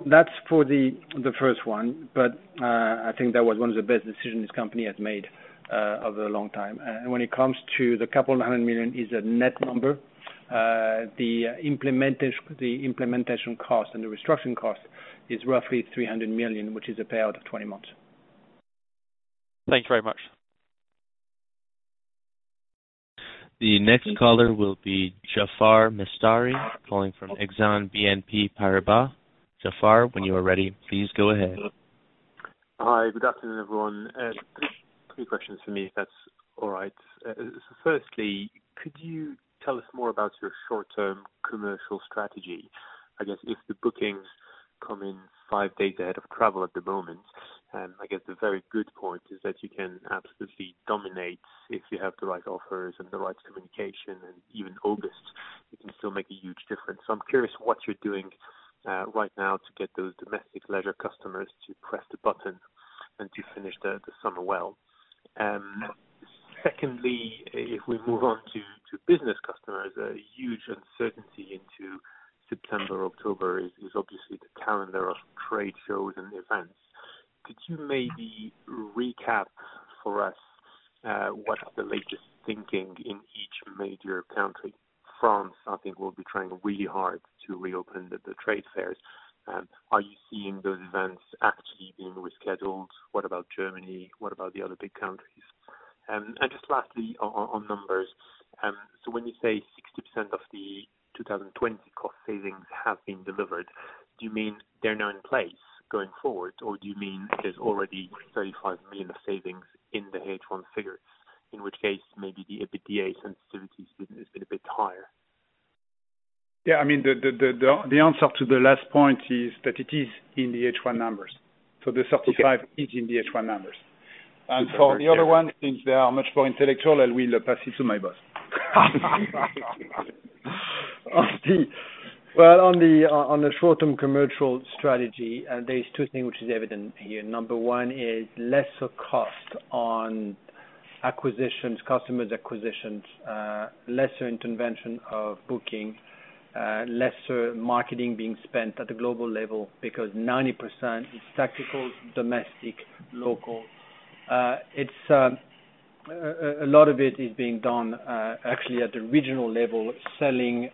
That's for the first one, but I think that was one of the best decisions this company has made over a long time, and when it comes to the couple hundred million, it's a net number. The implementation cost and the restructuring cost is roughly 300 million, which is a payout of 20 months. Thank you very much. The next caller will be Jaafar Mestari calling from Exane BNP Paribas. Jaafar, when you are ready, please go ahead. Hi. Good afternoon, everyone. Three questions for me, if that's all right. Firstly, could you tell us more about your short-term commercial strategy? I guess if the bookings come in five days ahead of travel at the moment, and I guess the very good point is that you can absolutely dominate if you have the right offers and the right communication, and even August, you can still make a huge difference. So I'm curious what you're doing right now to get those domestic leisure customers to press the button and to finish the summer well. Secondly, if we move on to business customers, a huge uncertainty into September, October is obviously the calendar of trade shows and events. Could you maybe recap for us what the latest thinking in each major country? France, I think, will be trying really hard to reopen the trade fairs. Are you seeing those events actually being rescheduled? What about Germany? What about the other big countries? And just lastly, on numbers, so when you say 60% of the 2020 cost savings have been delivered, do you mean they're now in place going forward, or do you mean there's already 35 million of savings in the H1 figures, in which case maybe the EBITDA sensitivity has been a bit higher? Yeah. I mean, the answer to the last point is that it is in the H1 numbers. So the 35 is in the H1 numbers. For the other ones, since they are much more intellectual, I will pass it to my boss. On the short-term commercial strategy, there's two things which are evident here. Number one is lesser cost on acquisitions, customers' acquisitions, lesser intervention of booking, lesser marketing being spent at the global level because 90% is tactical, domestic, local. A lot of it is being done actually at the regional level, selling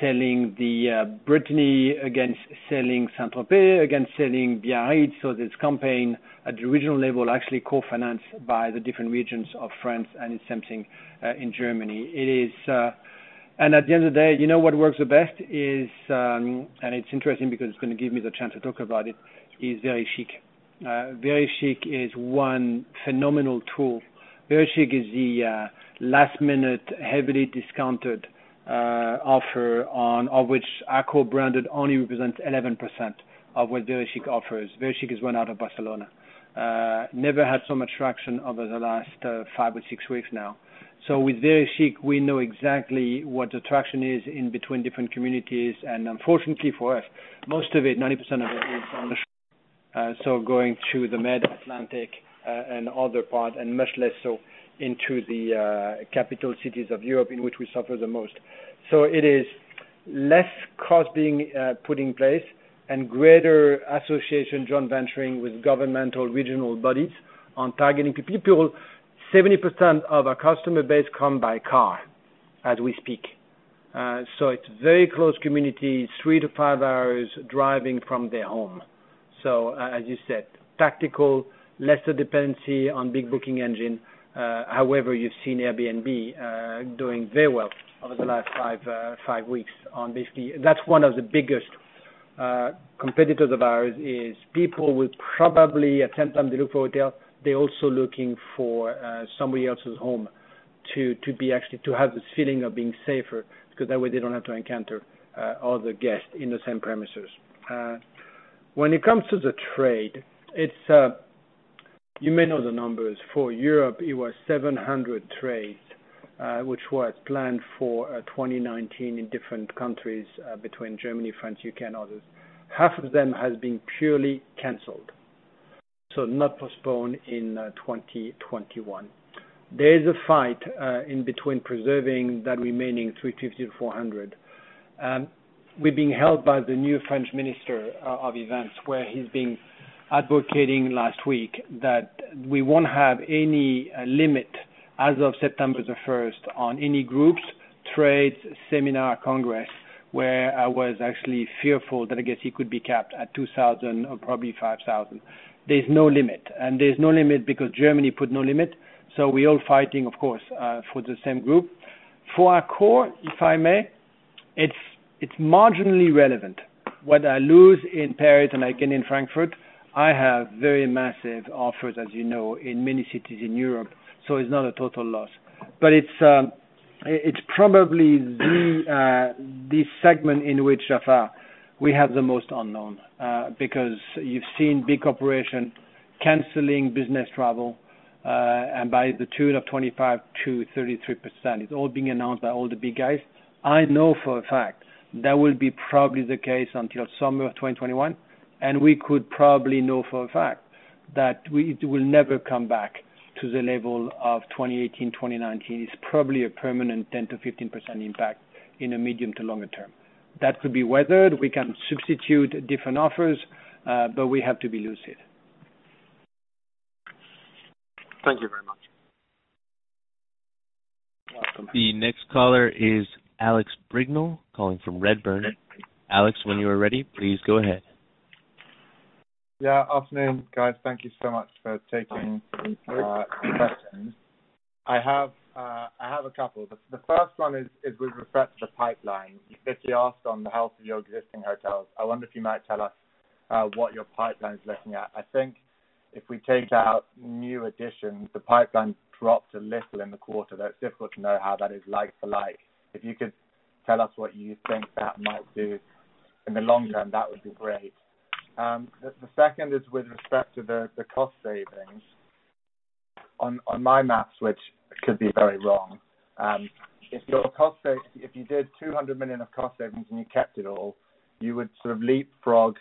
the Brittany against selling Saint-Tropez against selling Biarritz or this campaign at the regional level, actually co-financed by the different regions of France, and it's something in Germany. At the end of the day, you know what works the best? It's interesting because it's going to give me the chance to talk about it. It's VeryChic. VeryChic is one phenomenal tool. VeryChic is the last-minute, heavily discounted offer of which Accor branded only represents 11% of what VeryChic offers. VeryChic is run out of Barcelona. Never had so much traction over the last five or six weeks now. So with VeryChic, we know exactly what the traction is in between different communities. And unfortunately for us, most of it, 90% of it, is on the shore. So going through the Mediterranean, Atlantic and other parts, and much less so into the capital cities of Europe in which we suffer the most. So it is less cost being put in place and greater association joint venturing with governmental regional bodies on targeting people. 70% of our customer base come by car as we speak. So it's very close communities, three to five hours driving from their home. So as you said, tactical, lesser dependency on big booking engine. However, you've seen Airbnb doing very well over the last five weeks. On basically that's one of the biggest competitors of ours is people will probably at some time they look for hotels, they're also looking for somebody else's home to actually have this feeling of being safer because that way they don't have to encounter other guests in the same premises. When it comes to the trade, you may know the numbers. For Europe, it was 700 trades, which were planned for 2019 in different countries between Germany, France, UK, and others. Half of them has been purely canceled, so not postponed in 2021. There's a fight in between preserving that remaining 350-400. We're being held by the new French Minister of Events, where he's been advocating last week that we won't have any limit as of September the 1st on any groups, trades, seminar, congress, where I was actually fearful that, I guess, he could be capped at 2,000 or probably 5,000. There's no limit, and there's no limit because Germany put no limit, so we're all fighting, of course, for the same group. For Accor, if I may, it's marginally relevant. What I lose in Paris and I gain in Frankfurt, I have very massive offers, as you know, in many cities in Europe. So it's not a total loss, but it's probably the segment in which, Jaafar, we have the most unknown because you've seen big corporation canceling business travel and by the tune of 25%-33%. It's all being announced by all the big guys. I know for a fact that will be probably the case until summer of 2021, and we could probably know for a fact that it will never come back to the level of 2018, 2019. It's probably a permanent 10%-15% impact in a medium to longer term. That could be weathered. We can substitute different offers, but we have to be lucid. Thank you very much. The next caller is Alex Brignall calling from Redburn. Alex, when you are ready, please go ahead. Yeah. Afternoon, guys. Thank you so much for taking the questions. I have a couple. The first one is with respect to the pipeline. You said you asked on the health of your existing hotels. I wonder if you might tell us what your pipeline is looking at. I think if we take out new additions, the pipeline dropped a little in the quarter. That's difficult to know how that is like-for-like. If you could tell us what you think that might do in the long term, that would be great. The second is with respect to the cost savings. On my math, which could be very wrong, if you did 200 million of cost savings and you kept it all, you would sort of leapfrog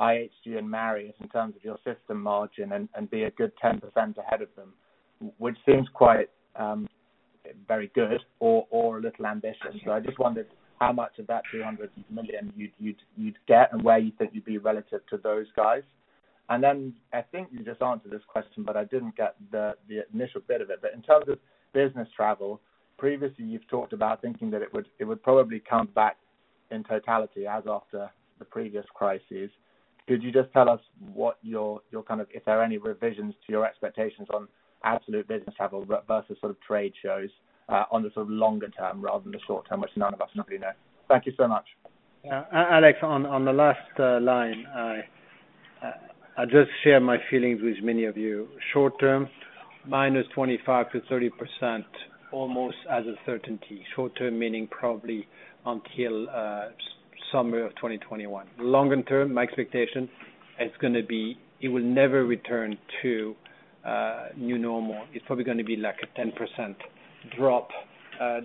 IHG and Marriott in terms of your system margin and be a good 10% ahead of them, which seems quite very good or a little ambitious. So I just wondered how much of that 200 million you'd get and where you think you'd be relative to those guys. Then I think you just answered this question, but I didn't get the initial bit of it. But in terms of business travel, previously you've talked about thinking that it would probably come back in totality as after the previous crises. Could you just tell us what your kind of if there are any revisions to your expectations on absolute business travel versus sort of trade shows on the sort of longer term rather than the short term, which none of us really know? Thank you so much. Yeah. Alex, on the last line, I just share my feelings with many of you. Short term, minus 25%-30% almost as a certainty. Short term meaning probably until summer of 2021. Longer term, my expectation is going to be it will never return to new normal. It's probably going to be like a 10% drop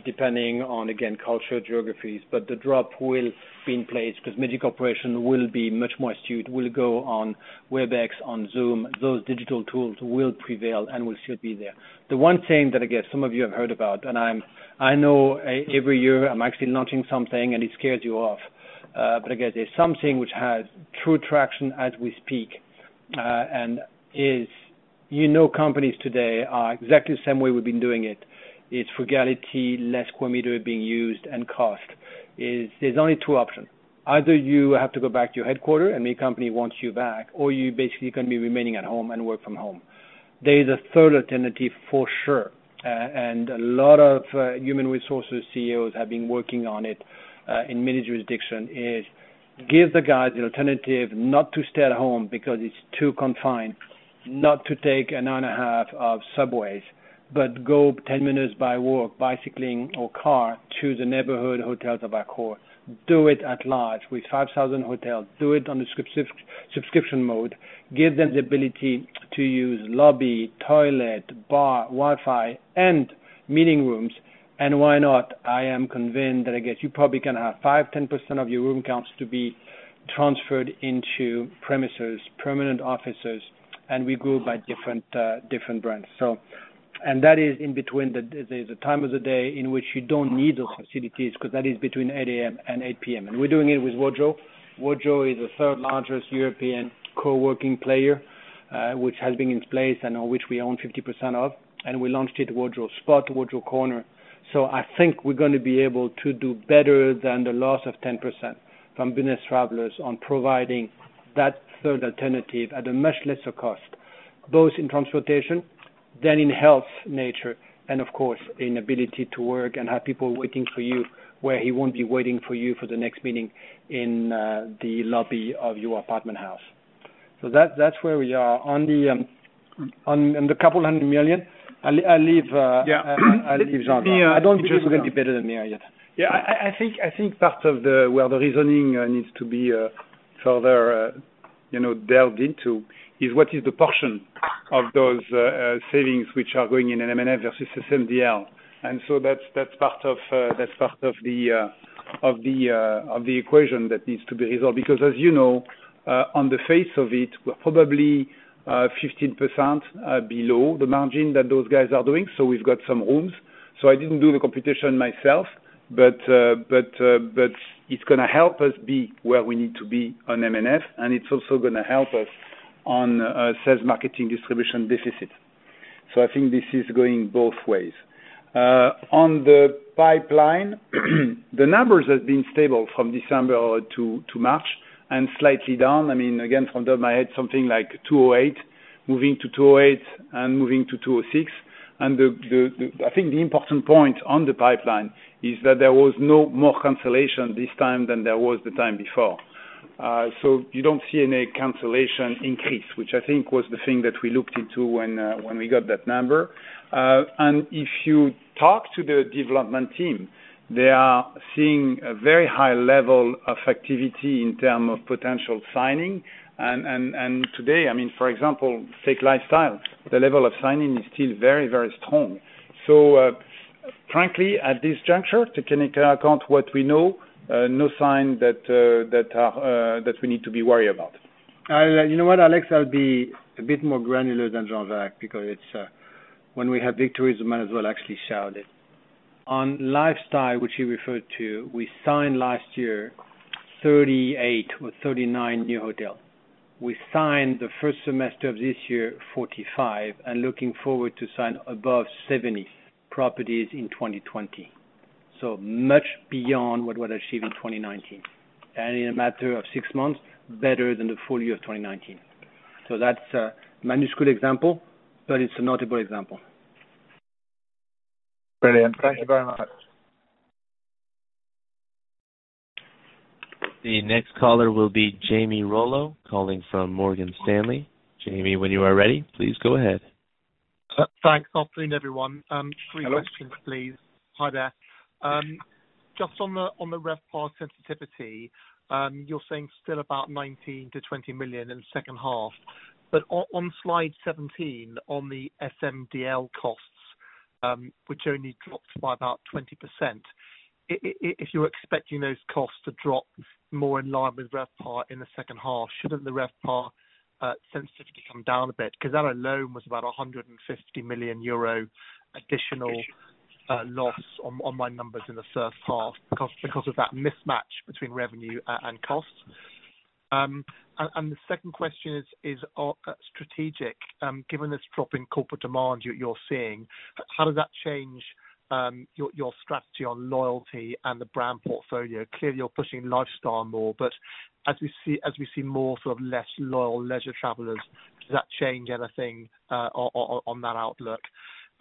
depending on, again, culture, geographies. But the drop will be in place because major corporations will be much more astute, will go on Webex, on Zoom. Those digital tools will prevail and will still be there. The one thing that, I guess, some of you have heard about, and I know every year I'm actually launching something and it scares you off, but I guess there's something which has true traction as we speak and is companies today are exactly the same way we've been doing it. It's frugality, less square meter being used, and cost. There's only two options. Either you have to go back to your headquarters and your company wants you back, or you're basically going to be remaining at home and work from home. There is a third alternative for sure. A lot of human resources CEOs have been working on it in many jurisdictions is give the guys an alternative not to stay at home because it's too confined, not to take an hour and a half of subways, but go 10 minutes by walk, bicycling, or car to the neighborhood hotels of Accor. Do it at large with 5,000 hotels. Do it on a subscription mode. Give them the ability to use lobby, toilet, bar, Wi-Fi, and meeting rooms. And why not? I am convinced that, I guess, you probably can have 5%-10% of your room counts to be transferred into premises, permanent offices, and we go by different brands. And that is in between the time of the day in which you don't need those facilities because that is between 8:00 A.M. and 8:00 P.M. And we're doing it with Wojo. Wojo is the third largest European co-working player, which has been in place and on which we own 50% of. We launched it, Wojo Spot, Wojo Corner. I think we're going to be able to do better than the loss of 10% from business travelers on providing that third alternative at a much lesser cost, both in transportation than in health nature, and of course, in ability to work and have people waiting for you where he won't be waiting for you for the next meeting in the lobby of your apartment house. That's where we are on the couple hundred million. I leave Jean. I don't think we're going to be better than Marriott. Yeah. I think part of where the reasoning needs to be further delved into is what is the portion of those savings which are going in M&F versus SMDL. And so that's part of the equation that needs to be resolved. Because as you know, on the face of it, we're probably 15% below the margin that those guys are doing. So we've got some rooms. So I didn't do the computation myself, but it's going to help us be where we need to be on M&F, and it's also going to help us on sales marketing distribution deficit. So I think this is going both ways. On the pipeline, the numbers have been stable from December to March and slightly down. I mean, again, from my head, something like 208, moving to 208, and moving to 206. And I think the important point on the pipeline is that there was no more cancellation this time than there was the time before. So you don't see any cancellation increase, which I think was the thing that we looked into when we got that number. And if you talk to the development team, they are seeing a very high level of activity in terms of potential signing. And today, I mean, for example, Accor lifestyle, the level of signing is still very, very strong. So frankly, at this juncture, taking into account what we know, no sign that we need to be worried about. You know what, Alex? I'll be a bit more granular than Jean-Jacques because when we have victories, we might as well actually shout it. On lifestyle, which you referred to, we signed last year 38 or 39 new hotels. We signed the first semester of this year, 45, and looking forward to sign above 70 properties in 2020. So much beyond what we had achieved in 2019. In a matter of six months, better than the full year of 2019. So that's a minuscule example, but it's a notable example. Brilliant. Thank you very much. The next caller will be Jamie Rollo calling from Morgan Stanley. Jamie, when you are ready, please go ahead. Thanks. Afternoon, everyone. Three questions, please. Hi there. Just on the RevPAR sensitivity, you're saying still about 19 million-20 million in the second half. But on slide 17, on the SMDL costs, which only dropped by about 20%, if you're expecting those costs to drop more in line with RevPAR in the second half, shouldn't the RevPAR sensitivity come down a bit? Because that alone was about 150 million euro additional loss on my numbers in the first half because of that mismatch between revenue and cost. And the second question is strategic. Given this drop in corporate demand you're seeing, how does that change your strategy on loyalty and the brand portfolio? Clearly, you're pushing lifestyle more, but as we see more sort of less loyal leisure travelers, does that change anything on that outlook?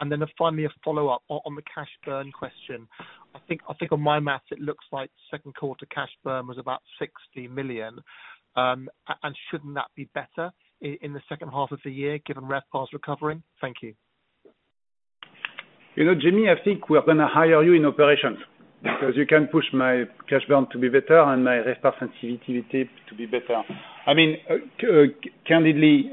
And then finally, a follow-up on the cash burn question. I think on my math, it looks like second quarter cash burn was about 60 million. And shouldn't that be better in the second half of the year given RevPAR recovering? Thank you. Jamie, I think we're going to hire you in operations because you can push my cash burn to be better and my RevPAR sensitivity to be better. I mean, candidly,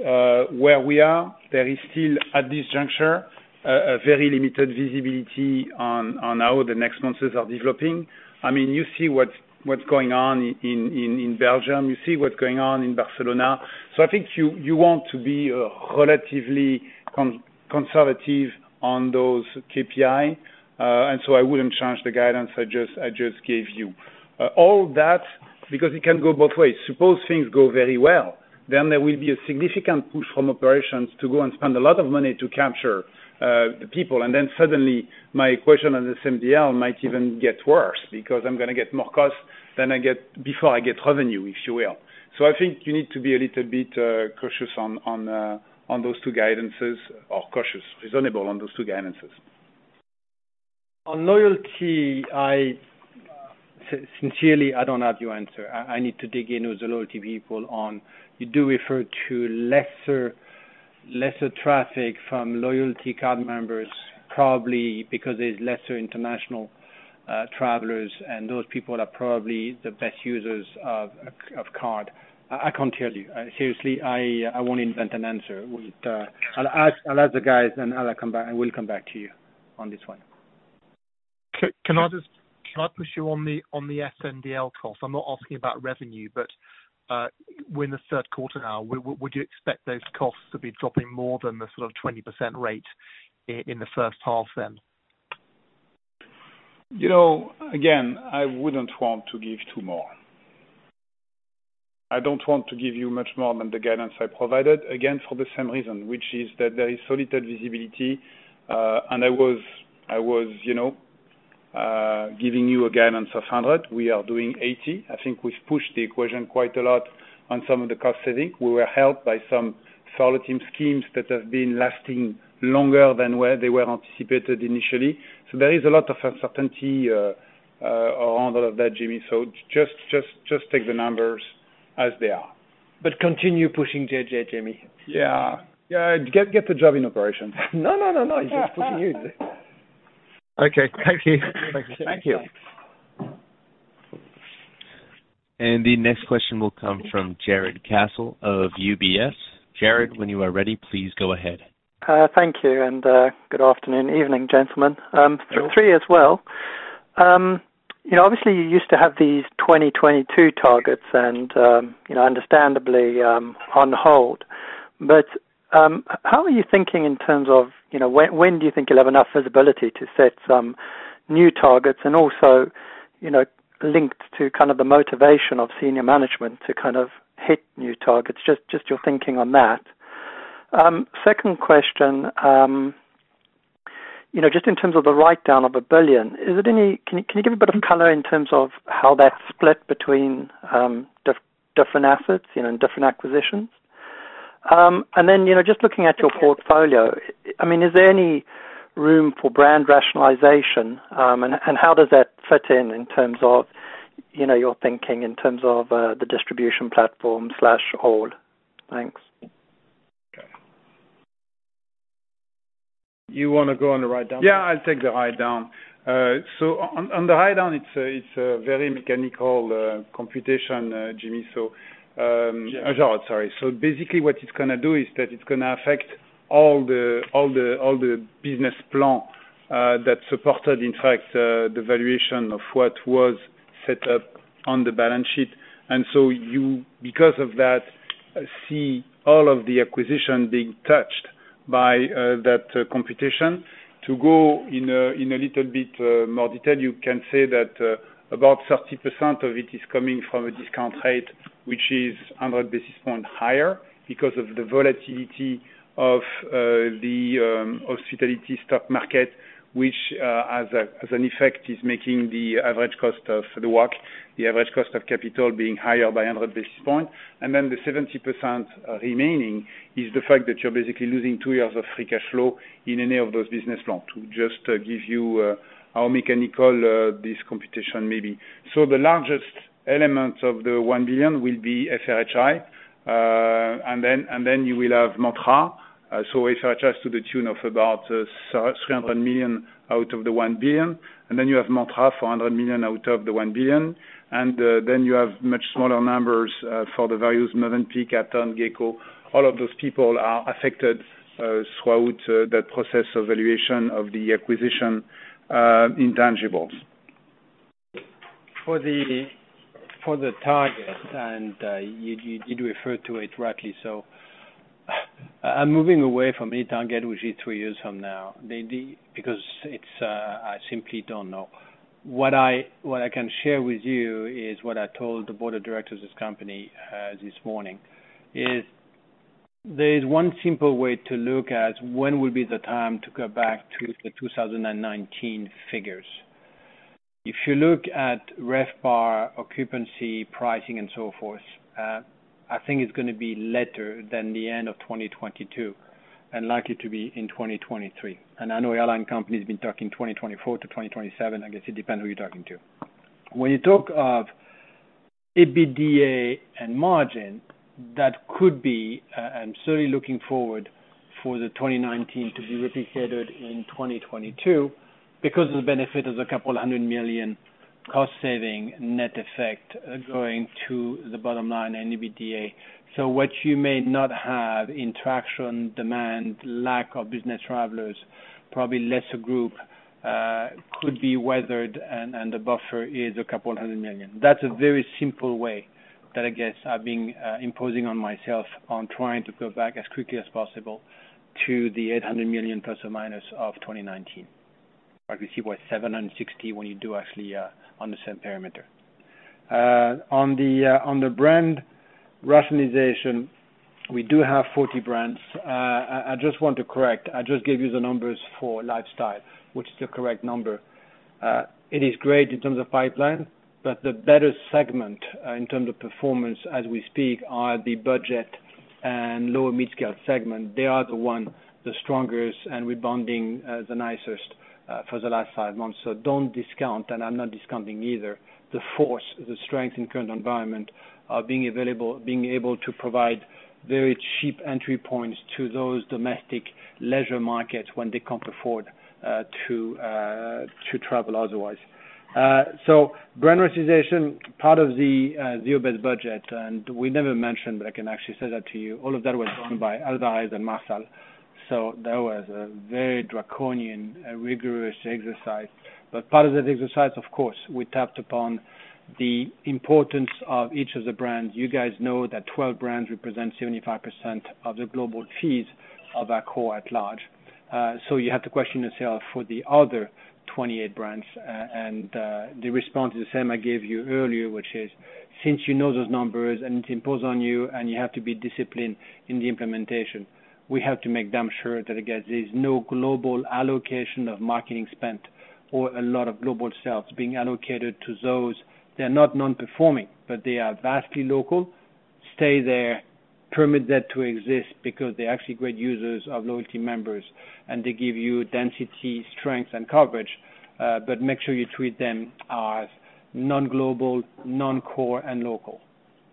where we are, there is still at this juncture a very limited visibility on how the next months are developing. I mean, you see what's going on in Belgium. You see what's going on in Barcelona. So I think you want to be relatively conservative on those KPIs. And so I wouldn't change the guidance I just gave you. All that because it can go both ways. Suppose things go very well, then there will be a significant push from operations to go and spend a lot of money to capture the people. And then suddenly, my equation on SMDL might even get worse because I'm going to get more costs than I get before I get revenue, if you will. So I think you need to be a little bit cautious on those two guidances or cautious, reasonable on those two guidances. On loyalty, sincerely, I don't have your answer. I need to dig in with the loyalty people on you do refer to lesser traffic from loyalty card members, probably because there's lesser international travelers, and those people are probably the best users of card. I can't hear you. Seriously, I won't invent an answer. I'll ask the guys, and I'll come back and we'll come back to you on this one. Can I push you on the SMDL cost? I'm not asking about revenue, but we're in the third quarter now. Would you expect those costs to be dropping more than the sort of 20% rate in the first half then? Again, I wouldn't want to give too more. I don't want to give you much more than the guidance I provided, again, for the same reason, which is that there is solid visibility, and I was giving you a guidance of 100. We are doing 80. I think we've pushed the equation quite a lot on some of the cost saving. We were helped by some furlough government schemes that have been lasting longer than they were anticipated initially. So there is a lot of uncertainty around all of that, Jamie. So just take the numbers as they are. But continue pushing, JJ, Jamie. Yeah. Yeah. Get the job in operations. No, no, no, no. He's just pushing you. Okay. Thank you. Thank you. And the next question will come from Jarrod Castle of UBS. Jarrod, when you are ready, please go ahead. Thank you. And good afternoon, evening, gentlemen. To you three as well. Obviously, you used to have these 2022 targets and understandably on hold. But how are you thinking in terms of when do you think you'll have enough visibility to set some new targets and also linked to kind of the motivation of senior management to kind of hit new targets? Just your thinking on that. Second question, just in terms of the write-down of 1 billion, can you give a bit of color in terms of how that's split between different assets and different acquisitions? And then just looking at your portfolio, I mean, is there any room for brand rationalization? And how does that fit in in terms of your thinking in terms of the distribution platform/ALL? Thanks. You want to go on the write-down? Yeah, I'll take the write-down. So on the write-down, it's a very mechanical computation, Jamie. Sorry. So, basically, what it's going to do is that it's going to affect all the business plan that supported, in fact, the valuation of what was set up on the balance sheet. And so you, because of that, see all of the acquisition being touched by that computation. To go in a little bit more detail, you can say that about 30% of it is coming from a discount rate, which is 100 basis points higher because of the volatility of the hospitality stock market, which, as an effect, is making the average cost of capital being higher by 100 basis points. And then the 70% remaining is the fact that you're basically losing two years of free cash flow in any of those business plans. To just give you how mechanical this computation may be. The largest element of the one billion will be FRHI. And then you will have Mantra. So FRHI is to the tune of about 300 million out of the one billion. And then you have Mantra, 400 million out of the one billion. And then you have much smaller numbers for the values, Mövenpick, and others, Gekko. All of those people are affected throughout that process of valuation of the acquisition intangibles. For the target, and you did refer to it rightly. So I'm moving away from any target, which is three years from now, because I simply don't know. What I can share with you is what I told the board of directors of this company this morning, is there is one simple way to look at when will be the time to go back to the 2019 figures. If you look at RevPAR occupancy, pricing, and so forth, I think it's going to be later than the end of 2022 and likely to be in 2023, and I know airline companies have been talking 2024-2027. I guess it depends who you're talking to. When you talk of EBITDA and margin, that could be. I'm certainly looking forward for the 2019 to be replicated in 2022 because of the benefit of the 200 million cost-saving net effect going to the bottom line and EBITDA. So what you may not have in traction, demand, lack of business travelers, probably lesser group, could be weathered, and the buffer is 200 million. That's a very simple way that I guess I've been imposing on myself on trying to go back as quickly as possible to the 800 million plus or minus of 2019. We see what 760 when you do actually on the same perimeter? On the brand rationalization, we do have 40 brands. I just want to correct. I just gave you the numbers for lifestyle, which is the correct number. It is great in terms of pipeline, but the better segment in terms of performance as we speak are the budget and lower-mid-scale segment. They are the ones, the strongest, and rebounding the nicest for the last five months. So don't discount, and I'm not discounting either, the force, the strength in current environment of being able to provide very cheap entry points to those domestic leisure markets when they can't afford to travel otherwise. So brand rationalization, part of the zero-based budget, and we never mentioned, but I can actually say that to you. All of that was done by Alvarez & Marsal. So that was a very draconian, rigorous exercise. But part of that exercise, of course, we tapped upon the importance of each of the brands. You guys know that 12 brands represent 75% of the global fees of our core at large. So you have to question yourself for the other 28 brands. And the response is the same I gave you earlier, which is, since you know those numbers and it's imposed on you and you have to be disciplined in the implementation, we have to make them sure that, again, there's no global allocation of marketing spent or a lot of global sales being allocated to those that are not non-performing, but they are vastly local, stay there, permit that to exist because they're actually great users of loyalty members, and they give you density, strength, and coverage. But make sure you treat them as non-global, non-core, and local.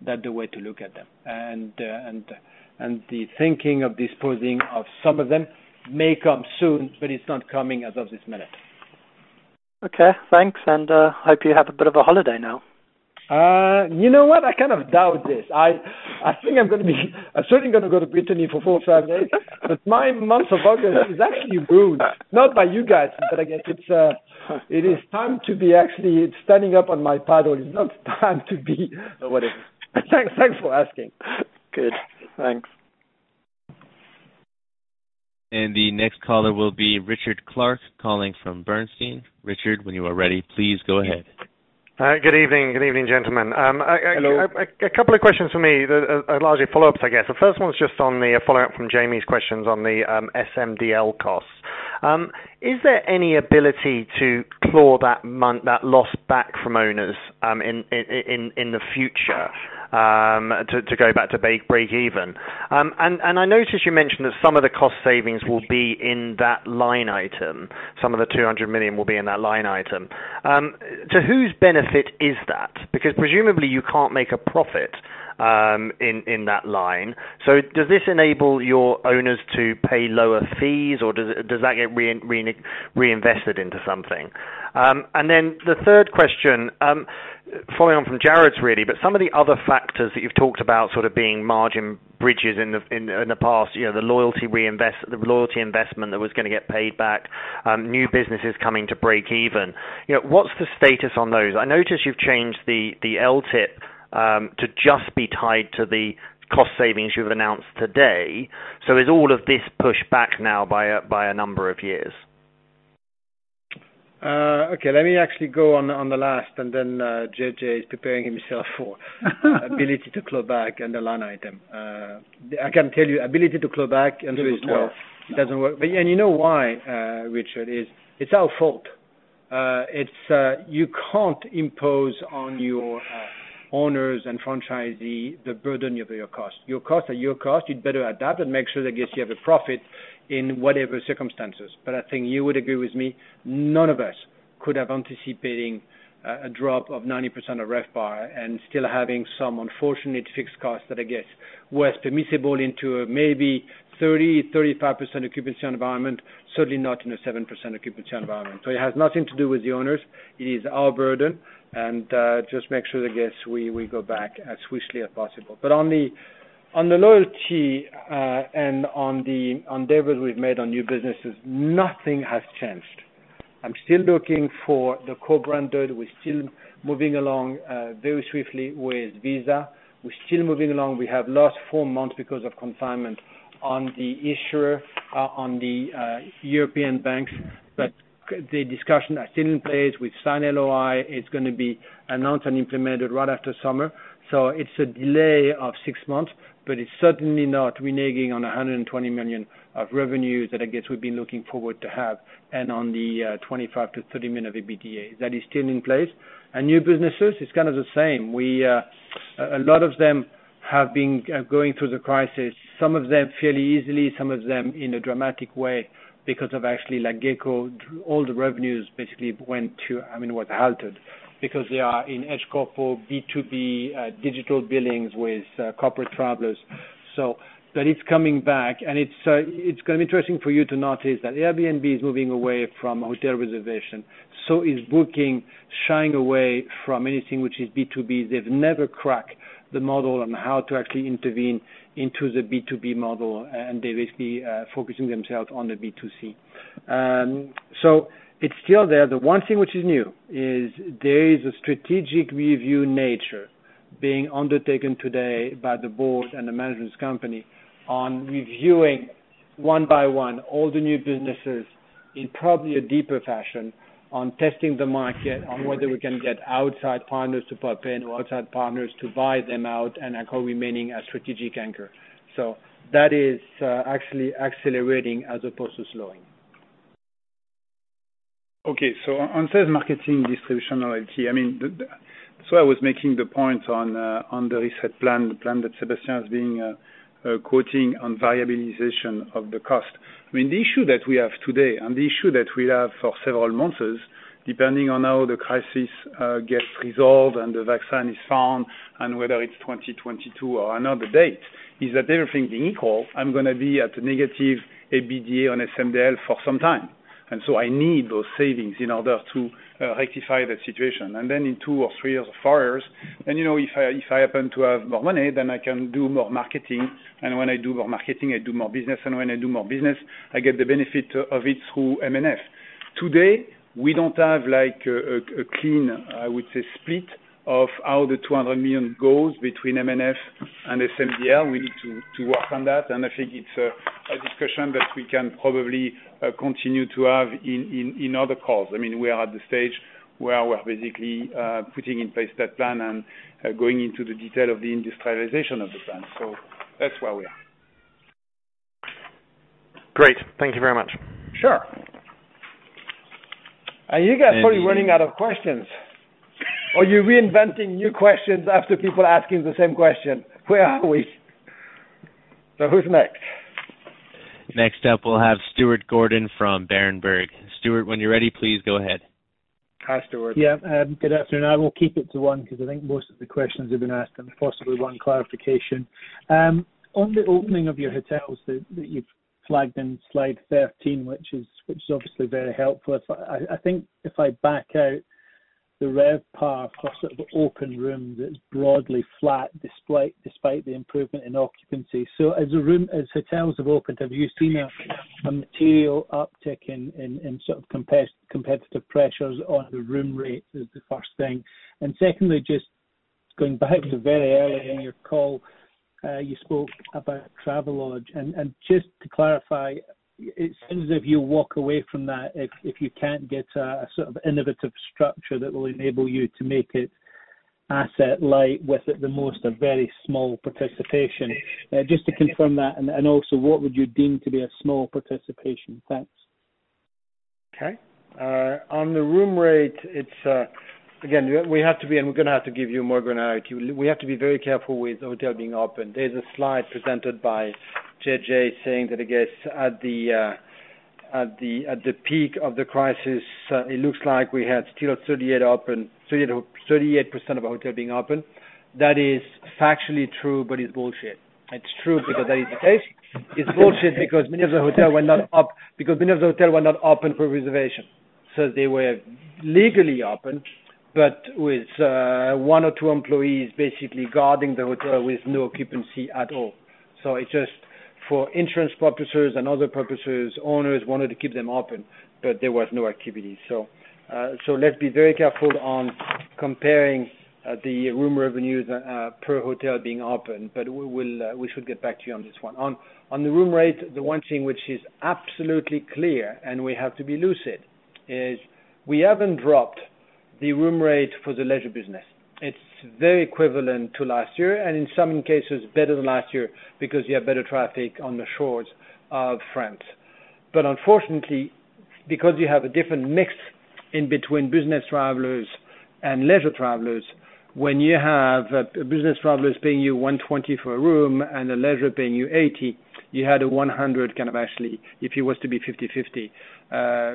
That's the way to look at them. And the thinking of disposing of some of them may come soon, but it's not coming as of this minute. Okay. Thanks. And I hope you have a bit of a holiday now. You know what? I kind of doubt this. I think I'm going to be. I'm certainly going to go to Brittany for four or five days. But my month of August is actually ruined, not by you guys, but I guess it is time to be actually standing up on my paddle. It's not time to be. Thanks for asking. Good. Thanks. And the next caller will be Richard Clarke calling from Bernstein. Richard, when you are ready, please go ahead. Good evening. Good evening, gentlemen. Hello. A couple of questions for me, largely follow-ups, I guess. The first one's just on the follow-up from Jamie's questions on the SMDL costs. Is there any ability to claw that loss back from owners in the future to go back to break even? And I noticed you mentioned that some of the cost savings will be in that line item. Some of the €200 million will be in that line item. To whose benefit is that? Because presumably, you can't make a profit in that line. So does this enable your owners to pay lower fees, or does that get reinvested into something? And then the third question, following on from Jarrod's really, but some of the other factors that you've talked about sort of being margin bridges in the past, the loyalty investment that was going to get paid back, new businesses coming to break even. What's the status on those? I noticed you've changed the LTIP to just be tied to the cost savings you've announced today. So is all of this pushed back now by a number of years? Okay. Let me actually go on the last, and then JJ is preparing himself for ability to claw back and the line item. I can tell you ability to claw back and do as well. It doesn't work, and you know why, Richard? It's our fault. You can't impose on your owners and franchisee the burden of your cost. Your costs are your cost. You'd better adapt and make sure that, yes, you have a profit in whatever circumstances. But I think you would agree with me. None of us could have anticipated a drop of 90% of RevPAR and still having some unfortunate fixed costs that, I guess, were permissible into a maybe 30%-35% occupancy environment, certainly not in a 7% occupancy environment. So it has nothing to do with the owners. It is our burden. And just make sure that, yes, we go back as swiftly as possible. But on the loyalty and on the endeavors we've made on new businesses, nothing has changed. I'm still looking for the co-branded. We're still moving along very swiftly with Visa. We're still moving along. We have lost four months because of confinement on the issuer on the European banks. But the discussion is still in place. We've signed LOI. It's going to be announced and implemented right after summer. It's a delay of six months, but it's certainly not reneging on 120 million of revenues that, I guess, we've been looking forward to have and on the 25-30 million of EBITDA. That is still in place. New businesses, it's kind of the same. A lot of them have been going through the crisis, some of them fairly easily, some of them in a dramatic way because of actually Gekko. All the revenues basically went to. I mean, was halted because they are in hotel corporate, B2B digital billings with corporate travelers. But it's coming back. It's going to be interesting for you to notice that Airbnb is moving away from hotel reservation. Is Booking shying away from anything which is B2B? They've never cracked the model on how to actually intervene into the B2B model, and they're basically focusing themselves on the B2C. So it's still there. The one thing which is new is there is a strategic review nature being undertaken today by the board and the management company on reviewing one by one all the new businesses in probably a deeper fashion on testing the market, on whether we can get outside partners to pop in or outside partners to buy them out and I call remaining a strategic anchor. So that is actually accelerating as opposed to slowing. Okay. So on sales marketing, distribution, LLT, I mean, so I was making the points on the reset plan, the plan that Sébastien is being quoting on variabilization of the cost. I mean, the issue that we have today and the issue that we have for several months, depending on how the crisis gets resolved and the vaccine is found and whether it's 2022 or another date, is that everything being equal, I'm going to be at a negative EBITDA on SMDL for some time. And so I need those savings in order to rectify the situation. And then in two or three years or four years, then if I happen to have more money, then I can do more marketing. And when I do more marketing, I do more business. And when I do more business, I get the benefit of it through M&F. Today, we don't have a clean, I would say, split of how the 200 million goes between M&F and SMDL. We need to work on that. I think it's a discussion that we can probably continue to have in other calls. I mean, we are at the stage where we're basically putting in place that plan and going into the detail of the industrialization of the plan. So that's where we are. Great. Thank you very much. Sure. You guys are probably running out of questions. Are you reinventing new questions after people are asking the same question? Where are we? So who's next? Next up, we'll have Stuart Gordon from Berenberg. Stuart, when you're ready, please go ahead. Hi, Stuart. Yeah. Good afternoon. I will keep it to one because I think most of the questions have been asked and possibly one clarification. On the opening of your hotels that you've flagged in slide 13, which is obviously very helpful, I think if I back out the RevPAR for sort of open rooms that's broadly flat despite the improvement in occupancy. So as hotels have opened, have you seen a material uptick in sort of competitive pressures on the room rate as the first thing? And secondly, just going back to very early in your call, you spoke about Travelodge. And just to clarify, it seems as if you walk away from that if you can't get a sort of innovative structure that will enable you to make it asset-light with at the most a very small participation. Just to confirm that, and also what would you deem to be a small? Thanks. Okay. On the room rate, again, we have to be, and we're going to have to give you more granularity. We have to be very careful with hotel being open. There's a slide presented by JJ saying that, I guess, at the peak of the crisis, it looks like we had still 38% of our hotel being open. That is factually true, but it's bullshit. It's true because that is the case. It's bullshit because many of the hotels were not up, because many of the hotels were not open for reservation. So they were legally open but with one or two employees basically guarding the hotel with no occupancy at all. So it's just for insurance purposes and other purposes, owners wanted to keep them open, but there was no activity. So let's be very careful on comparing the room revenues per hotel being open, but we should get back to you on this one. On the room rate, the one thing which is absolutely clear and we have to be lucid is we haven't dropped the room rate for the leisure business. It's very equivalent to last year and in some cases better than last year because you have better traffic on the shores of France. But unfortunately, because you have a different mix in between business travelers and leisure travelers, when you have business travelers paying you 120 for a room and a leisure paying you 80, you had a 100 kind of actually, if it was to be 50/50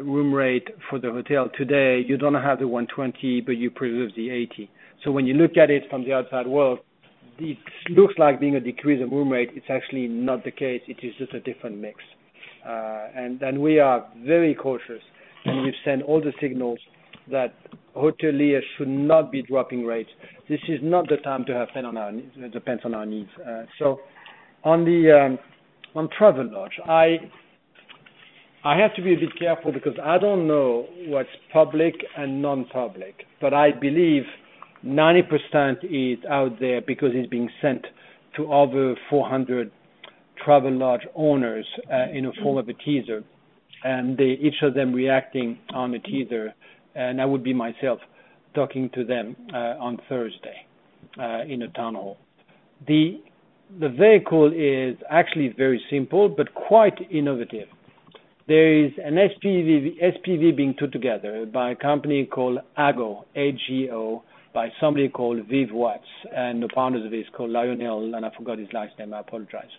room rate for the hotel today, you don't have the 120, but you preserve the 80. So when you look at it from the outside world, it looks like a decrease in room rate. It's actually not the case. It is just a different mix. And we are very cautious, and we've sent all the signals that hoteliers should not be dropping rates. This is not the time to have panic on our needs. It depends on our needs. So on Travelodge, I have to be a bit careful because I don't know what's public and non-public, but I believe 90% is out there because it's being sent to over 400 Travelodge owners in the form of a teaser, and each of them reacting on the teaser. And I would be myself talking to them on Thursday in a town hall. The vehicle is actually very simple but quite innovative. There is an SPV being put together by a company called Ago, A-G-O, by somebody called Viv Watts, and the founder of it is called Lionel, and I forgot his last name. I apologize.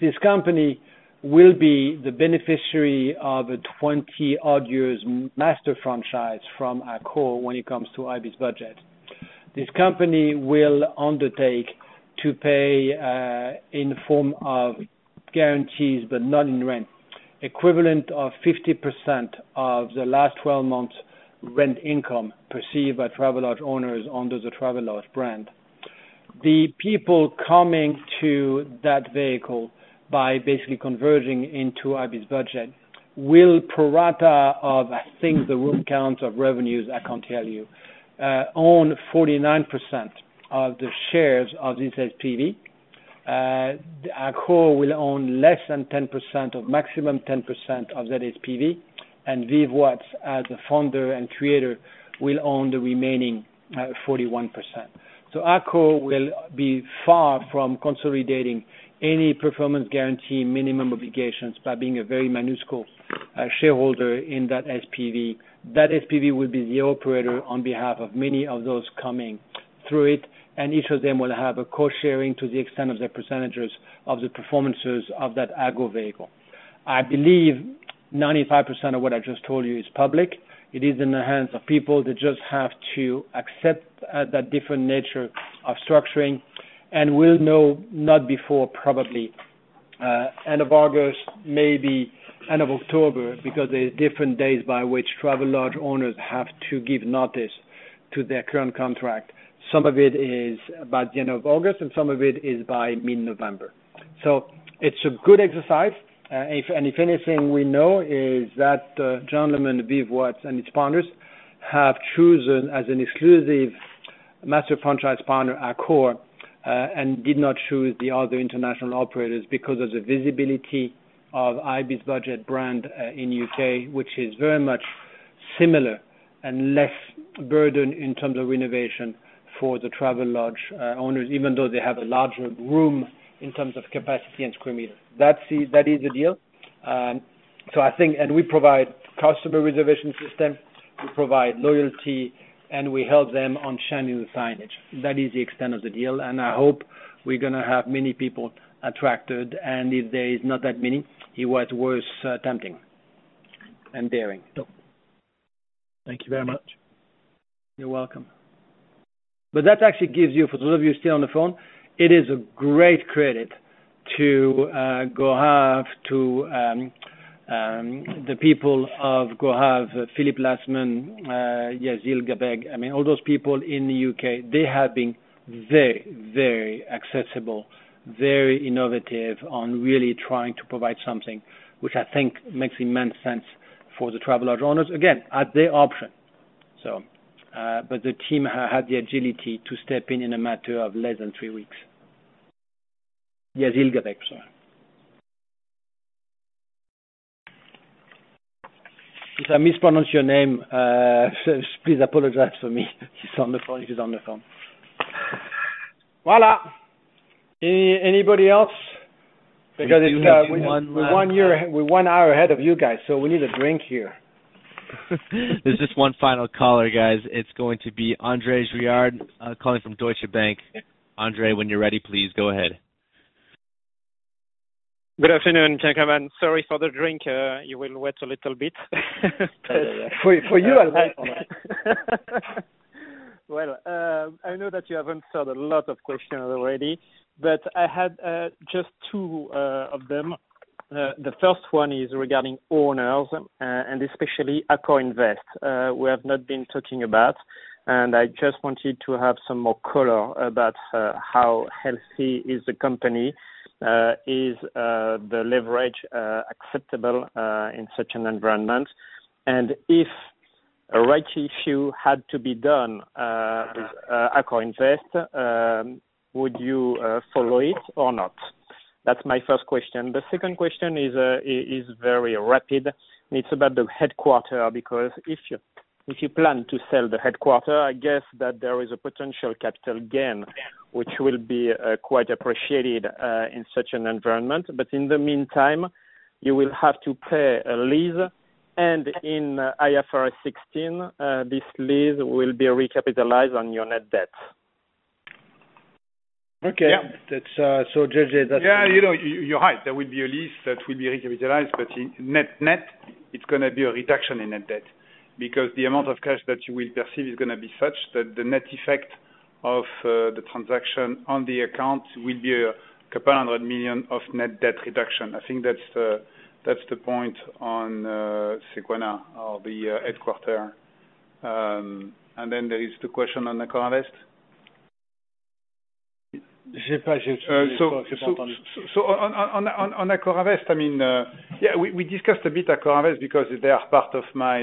This company will be the beneficiary of a 20-odd years master franchise from Accor when it comes to ibis budget. This company will undertake to pay in the form of guarantees but not in rent, equivalent of 50% of the last 12 months' rent income received by Travelodge owners under the Travelodge brand. The people coming to that vehicle by basically converting into ibis budget will pro rata of, I think, the room counts of revenues, I can't tell you, own 49% of the shares of this SPV. Accor will own less than 10% of maximum 10% of that SPV, and Viv Watts, as a founder and creator, will own the remaining 41%. So Accor will be far from consolidating any performance guarantee minimum obligations by being a very minuscule shareholder in that SPV. That SPV will be the operator on behalf of many of those coming through it, and each of them will have a co-sharing to the extent of their percentages of the performances of that Ago vehicle. I believe 95% of what I just told you is public. It is in the hands of people that just have to accept that different nature of structuring and will know not before probably end of August, maybe end of October because there are different days by which Travelodge owners have to give notice to their current contract. Some of it is by the end of August, and some of it is by mid-November. So it's a good exercise. And if anything we know is that the gentlemen, Viv Watts and its partners, have chosen as an exclusive master franchise partner our Accor and did not choose the other international operators because of the visibility of ibis budget brand in the UK, which is very much similar and less burden in terms of renovation for the Travelodge owners, even though they have a larger room in terms of capacity and square meters. That is the deal. So I think, and we provide customer reservation system. We provide loyalty, and we help them on signing the signage. That is the extent of the deal. And I hope we're going to have many people attracted. And if there is not that many, it was worth attempting and daring. Thank you very much. You're welcome. But that actually gives you, for those of you still on the phone, it is a great credit to Ago, to the people of Ago, Philip Lassman, Camille Yazbek, I mean, all those people in the UK, they have been very, very accessible, very innovative on really trying to provide something which I think makes immense sense for the Travelodge owners. Again, at their option. But the team had the agility to step in in a matter of less than three weeks. Camille Yazbek, sorry. If I mispronounce your name, please apologize for me. She's on the phone. She's on the phone. Voilà. Anybody else? Because it's one hour ahead of you guys, so we need a drink here. There's just one final caller, guys. It's going to be André Juillard calling from Deutsche Bank. André, when you're ready, please go ahead. Good afternoon. Can I come in? Sorry for the drink. You will wait a little bit. For you alone. I know that you haven't heard a lot of questions already, but I had just two of them. The first one is regarding owners and especially AccorInvest we have not been talking about. And I just wanted to have some more color about how healthy is the company? Is the leverage acceptable in such an environment? And if a right issue had to be done with AccorInvest, would you follow it or not? That's my first question. The second question is very rapid. It's about the headquarters because if you plan to sell the headquarters, I guess that there is a potential capital gain which will be quite appreciated in such an environment. But in the meantime, you will have to pay a lease. In IFRS 16, this lease will be recapitalized on your net debt. Okay. So JJ, that's the. *crosstalk* Yeah. You're right. There will be a lease that will be recapitalized, but net net, it's going to be a reduction in net debt because the amount of cash that you will receive is going to be such that the net effect of the transaction on the account will be a couple hundred million of net debt reduction. I think that's the point on Sequoia or the headquarters. And then there is the question on AccorInvest. So on AccorInvest, I mean, yeah, we discussed a bit AccorInvest because they are part of my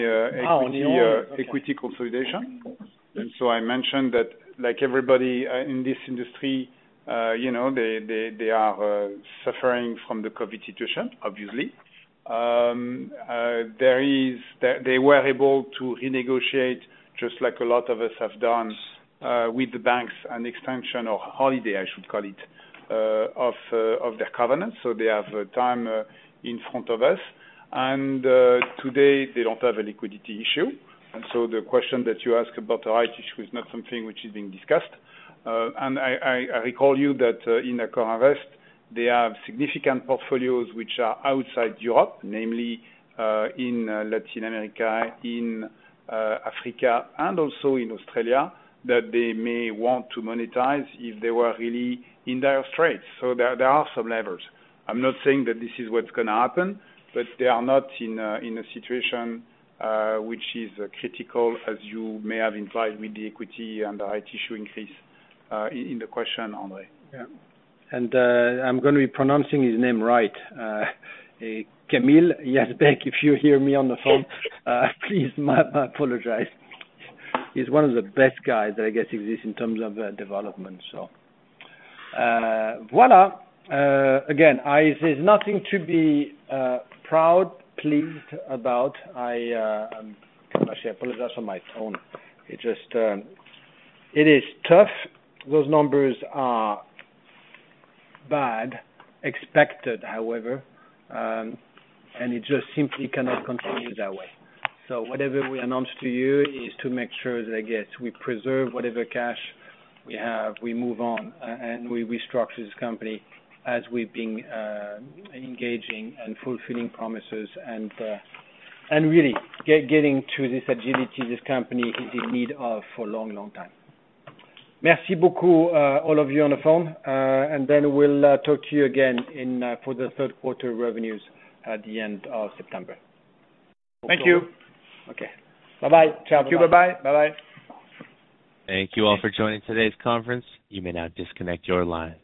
equity consolidation. And so I mentioned that like everybody in this industry, they are suffering from the COVID situation, obviously. They were able to renegotiate just like a lot of us have done with the banks an extension or holiday, I should call it, of their covenants. So they have time in front of us. And today, they don't have a liquidity issue. And so the question that you ask about the rights issue is not something which is being discussed. And I recall you that in AccorInvest, they have significant portfolios which are outside Europe, namely in Latin America, in Africa, and also in Australia that they may want to monetize if they were really in dire straits. So there are some levers. I'm not saying that this is what's going to happen, but they are not in a situation which is critical, as you may have implied with the equity and the rights issue increase in the question, André. Yeah. And I'm going to be pronouncing his name right. Camille Yazbek, if you hear me on the phone, please apologize. He's one of the best guys that I guess exists in terms of development, so. Voilà. Again, there's nothing to be proud, pleased about. I can actually apologize on my own. It is tough. Those numbers are bad, expected, however. And it just simply cannot continue that way. So whatever we announce to you is to make sure that, I guess, we preserve whatever cash we have, we move on, and we restructure this company as we've been engaging and fulfilling promises and really getting to this agility this company is in need of for a long, long time. Merci beaucoup, all of you on the phone. And then we'll talk to you again for the third quarter revenues at the end of September. Thank you. Okay. Bye-bye. Ciao. Thank you. Bye-bye. Bye-bye. Thank you all for joining today's conference. You may now disconnect your lines.